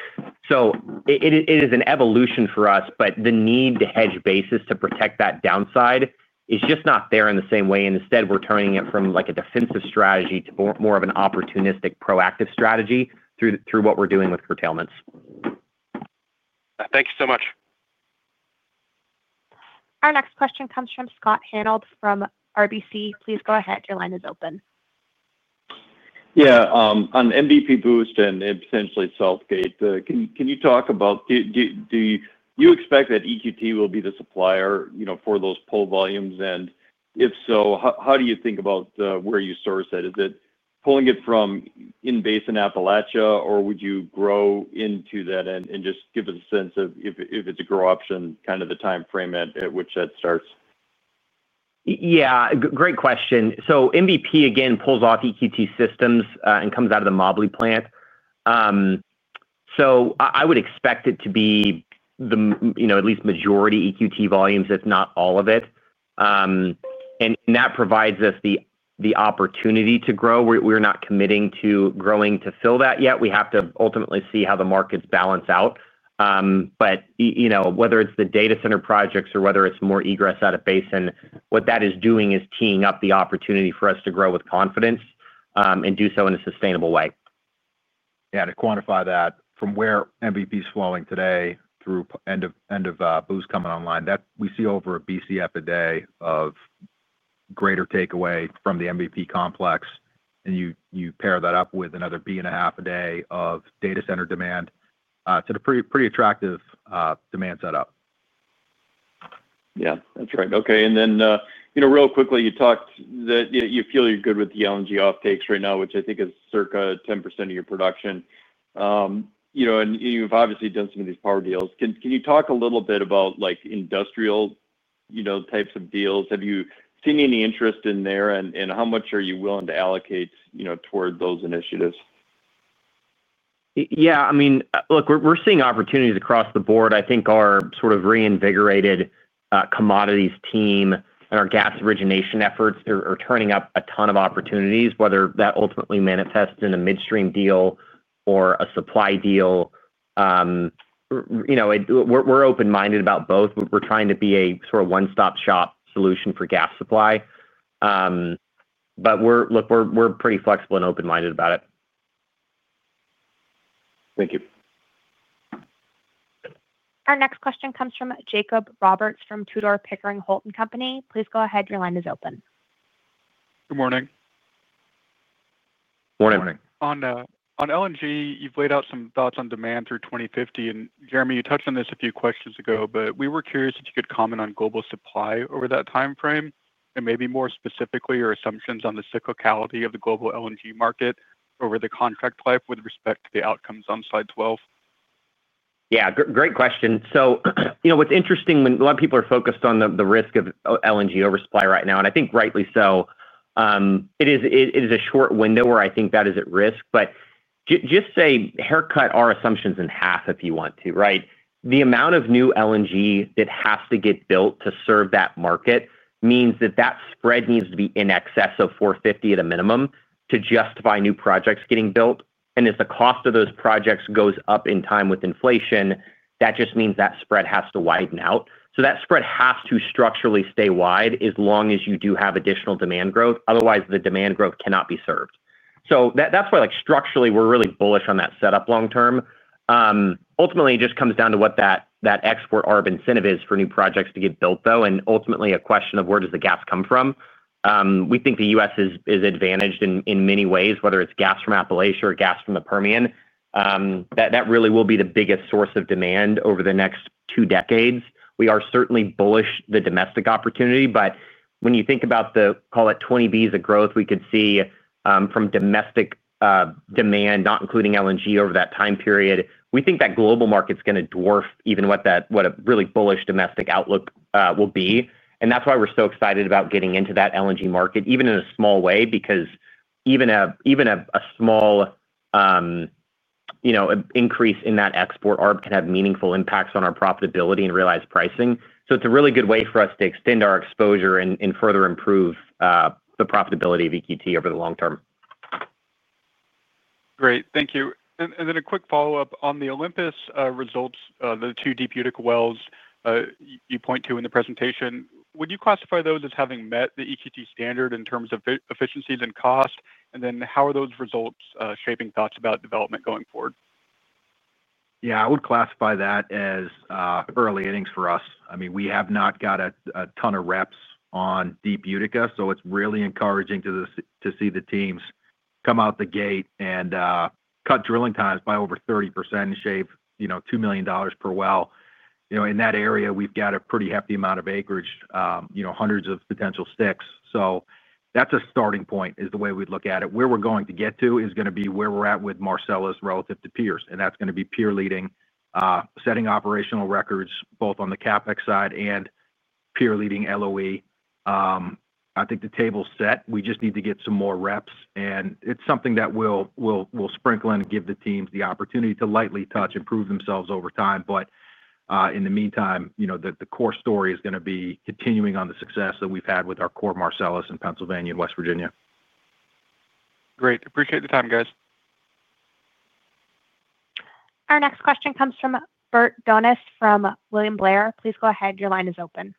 It is an evolution for us, but the need to hedge basis to protect that downside is just not there in the same way. Instead, we're turning it from like a defensive strategy to more of an opportunistic proactive strategy through what we're doing with curtailments. Thank you so much. Our next question comes from Scott Hanold from RBC. Please go ahead. Your line is open. Yeah, on MVP Boost and potentially Southgate, can you talk about, do you expect that EQT will be the supplier for those pull volumes? If so, how do you think about where you source it? Is it pulling it from in-base in Appalachian, or would you grow into that and just give us a sense of if it's a grow option, kind of the timeframe at which that starts? Great question. MVP, again, pulls off EQT systems and comes out of the Mobley plant. I would expect it to be the, you know, at least majority EQT volumes, if not all of it. That provides us the opportunity to grow. We're not committing to growing to fill that yet. We have to ultimately see how the markets balance out. Whether it's the data center projects or more egress out of basin, what that is doing is teeing up the opportunity for us to grow with confidence and do so in a sustainable way. Yeah, to quantify that, from where MVP is flowing today through end of Boost coming online, we see over a Bcf a day of greater takeaway from the MVP complex. You pair that up with another B and a half a day of data center demand. It's a pretty attractive demand setup. Yeah, that's right. Okay. You talked that you feel you're good with the LNG offtakes right now, which I think is circa 10% of your production. You've obviously done some of these power deals. Can you talk a little bit about industrial types of deals? Have you seen any interest in there? How much are you willing to allocate toward those initiatives? Yeah, I mean, look, we're seeing opportunities across the board. I think our sort of reinvigorated commodities team and our gas origination efforts are turning up a ton of opportunities, whether that ultimately manifests in a midstream deal or a supply deal. We're open-minded about both. We're trying to be a sort of one-stop shop solution for gas supply. We're pretty flexible and open-minded about it. Thank you. Our next question comes from Jacob Roberts from Tudor, Pickering, Holt & Co. Please go ahead. Your line is open. Good morning. Morning. On LNG, you've laid out some thoughts on demand through 2050. Jeremy, you touched on this a few questions ago, but we were curious if you could comment on global supply over that timeframe and maybe more specifically your assumptions on the cyclicality of the global LNG market over the contract life with respect to the outcomes on slide 12. Yeah, great question. What's interesting, when a lot of people are focused on the risk of LNG oversupply right now, and I think rightly so, it is a short window where I think that is at risk. Just say haircut our assumptions in half if you want to, right? The amount of new LNG that has to get built to serve that market means that that spread needs to be in excess of $4.50 at a minimum to justify new projects getting built. As the cost of those projects goes up in time with inflation, that just means that spread has to widen out. That spread has to structurally stay wide as long as you do have additional demand growth. Otherwise, the demand growth cannot be served. That's why, structurally, we're really bullish on that setup long term. Ultimately, it just comes down to what that export arbor incentive is for new projects to get built, though. Ultimately, a question of where does the gas come from? We think the U.S. is advantaged in many ways, whether it's gas from Appalachian or gas from the Permian. That really will be the biggest source of demand over the next two decades. We are certainly bullish the domestic opportunity, but when you think about the, call it, 20 Bcf of growth we could see from domestic demand, not including LNG over that time period, we think that global market's going to dwarf even what a really bullish domestic outlook will be. That's why we're so excited about getting into that LNG market, even in a small way, because even a small increase in that export arbor can have meaningful impacts on our profitability and realized pricing. It's a really good way for us to extend our exposure and further improve the profitability of EQT over the long term. Great. Thank you. A quick follow-up on the Olympus results, the two Deep Utica wells you point to in the presentation. Would you classify those as having met the EQT standard in terms of efficiencies and cost? How are those results shaping thoughts about development going forward? Yeah, I would classify that as early innings for us. I mean, we have not got a ton of reps on Deep Utica, so it's really encouraging to see the teams come out the gate and cut drilling times by over 30% and shave, you know, $2 million per well. In that area, we've got a pretty hefty amount of acreage, you know, hundreds of potential sticks. That's a starting point is the way we'd look at it. Where we're going to get to is going to be where we're at with Marcellus relative to peers. That's going to be peer leading, setting operational records both on the CapEx side and peer leading LOE. I think the table's set. We just need to get some more reps. It's something that we'll sprinkle in and give the teams the opportunity to lightly touch and prove themselves over time. In the meantime, you know, the core story is going to be continuing on the success that we've had with our core Marcellus in Pennsylvania and West Virginia. Great. Appreciate the time, guys. Our next question comes from Bert Donnes from William Blair. Please go ahead. Your line is open.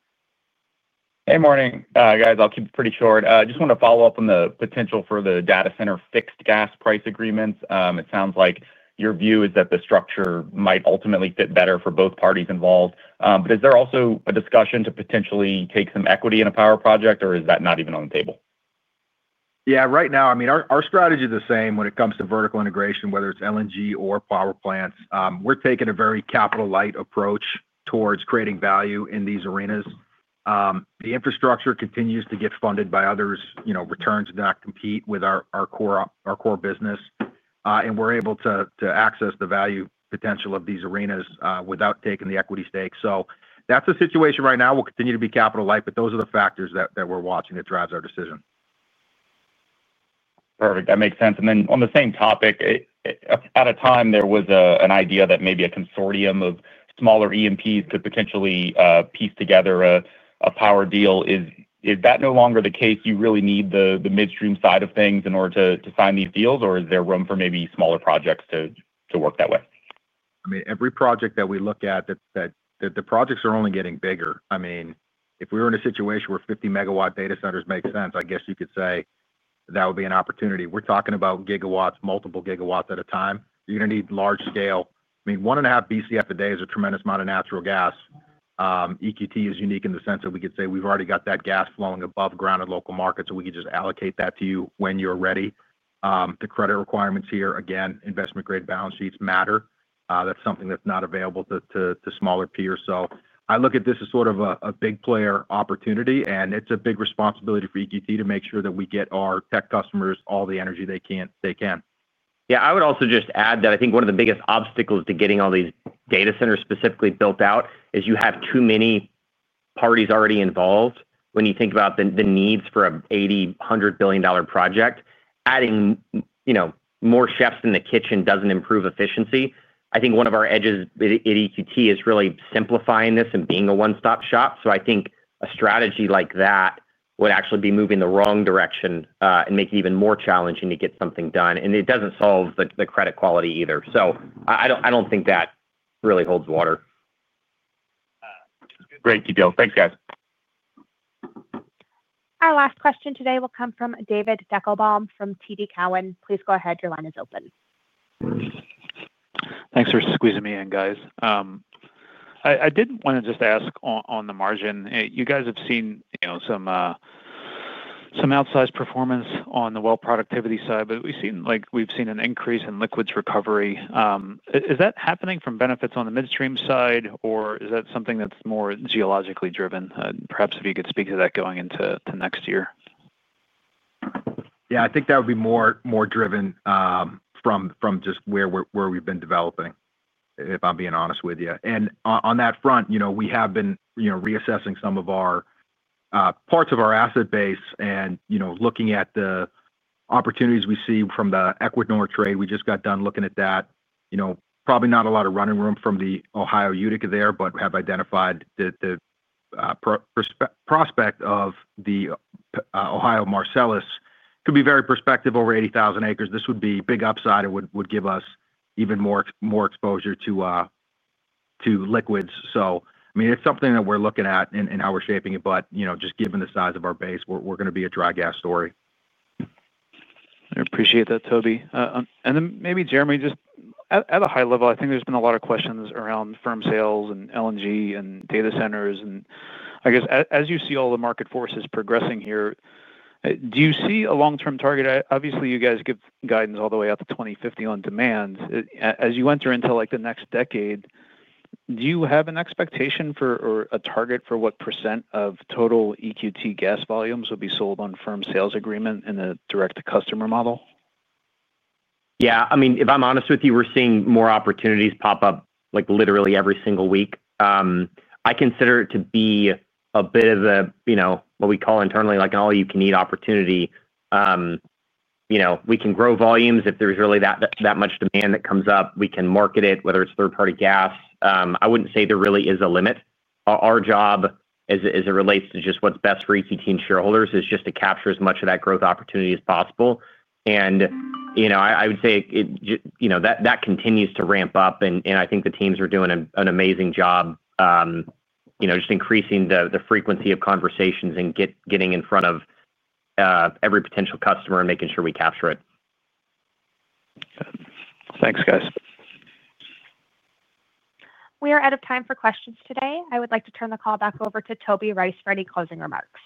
Hey, morning, guys. I'll keep it pretty short. I just want to follow up on the potential for the data center fixed gas price agreements. It sounds like your view is that the structure might ultimately fit better for both parties involved. Is there also a discussion to potentially take some equity in a power project, or is that not even on the table? Right now, I mean, our strategy is the same when it comes to vertical integration, whether it's LNG or power plants. We're taking a very capital-light approach towards creating value in these arenas. The infrastructure continues to get funded by others, returns do not compete with our core business, and we're able to access the value potential of these arenas without taking the equity stake. That's a situation right now. We'll continue to be capital-light, but those are the factors that we're watching that drives our decision. Perfect. That makes sense. On the same topic, at a time, there was an idea that maybe a consortium of smaller E&Ps could potentially piece together a power deal. Is that no longer the case? You really need the midstream side of things in order to sign these deals, or is there room for maybe smaller projects to work that way? Every project that we look at, the projects are only getting bigger. If we were in a situation where 50 MW data centers make sense, I guess you could say that would be an opportunity. We're talking about gigawatts, multiple gigawatts at a time. You're going to need large scale. One and a half Bcf a day is a tremendous amount of natural gas. EQT is unique in the sense that we could say we've already got that gas flowing above ground at local markets, so we could just allocate that to you when you're ready. The credit requirements here, again, investment-grade balance sheets matter. That's something that's not available to smaller peers. I look at this as sort of a big player opportunity, and it's a big responsibility for EQT to make sure that we get our tech customers all the energy they can. I would also just add that I think one of the biggest obstacles to getting all these data centers specifically built out is you have too many parties already involved. When you think about the needs for an $80 billion, $100 billion project, adding more chefs in the kitchen doesn't improve efficiency. I think one of our edges at EQT is really simplifying this and being a one-stop shop. I think a strategy like that would actually be moving the wrong direction and make it even more challenging to get something done. It doesn't solve the credit quality either. I don't think that really holds water. Great. Good deal. Thanks, guys. Our last question today will come from David Deckelbaum from TD Cowen. Please go ahead. Your line is open. Thanks for squeezing me in, guys. I did want to just ask on the margin, you guys have seen some outsized performance on the well productivity side, but we've seen an increase in liquids recovery. Is that happening from benefits on the midstream side, or is that something that's more geologically driven? Perhaps if you could speak to that going into next year. Yeah, I think that would be more driven from just where we've been developing, if I'm being honest with you. On that front, we have been reassessing some parts of our asset base and looking at the opportunities we see from the Equinor trade. We just got done looking at that. Probably not a lot of running room from the Ohio Utica there, but we have identified the prospect of the Ohio Marcellus could be very prospective, over 80,000 acres. This would be a big upside and would give us even more exposure to liquids. It's something that we're looking at and how we're shaping it. Just given the size of our base, we're going to be a dry gas story. I appreciate that, Toby. Maybe, Jeremy, just at a high level, I think there's been a lot of questions around firm sales and LNG and data centers. As you see all the market forces progressing here, do you see a long-term target? Obviously, you guys give guidance all the way out to 2050 on demands. As you enter into the next decade, do you have an expectation for or a target for what percent of total EQT gas volumes will be sold on firm sales agreement in a direct-to-customer model? Yeah, I mean, if I'm honest with you, we're seeing more opportunities pop up like literally every single week. I consider it to be a bit of a, you know, what we call internally, like an all-you-can-eat opportunity. You know, we can grow volume. If there's really that much demand that comes up, we can market it, whether it's third-party gas. I wouldn't say there really is a limit. Our job, as it relates to just what's best for EQT and shareholders, is just to capture as much of that growth opportunity as possible. I would say that continues to ramp up, and I think the teams are doing an amazing job just increasing the frequency of conversations and getting in front of every potential customer and making sure we capture it. Thanks, guys. We are out of time for questions today. I would like to turn the call back over to Toby Rice for any closing remarks.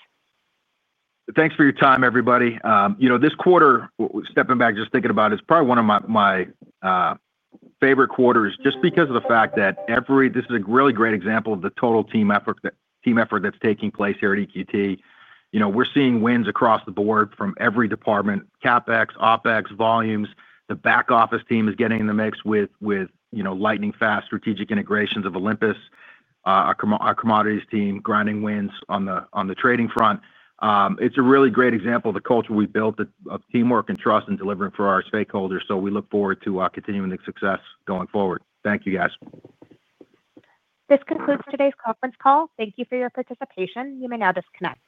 Thanks for your time, everybody. This quarter, stepping back, just thinking about it, it's probably one of my favorite quarters just because of the fact that this is a really great example of the total team effort that's taking place here at EQT. We're seeing wins across the board from every department: CapEx, OpEx, volumes. The back-office team is getting in the mix with lightning-fast strategic integrations of Olympus. Our commodities team grinding wins on the trading front. It's a really great example of the culture we built of teamwork and trust in delivering for our stakeholders. We look forward to continuing the success going forward. Thank you, guys. This concludes today's conference call. Thank you for your participation. You may now disconnect.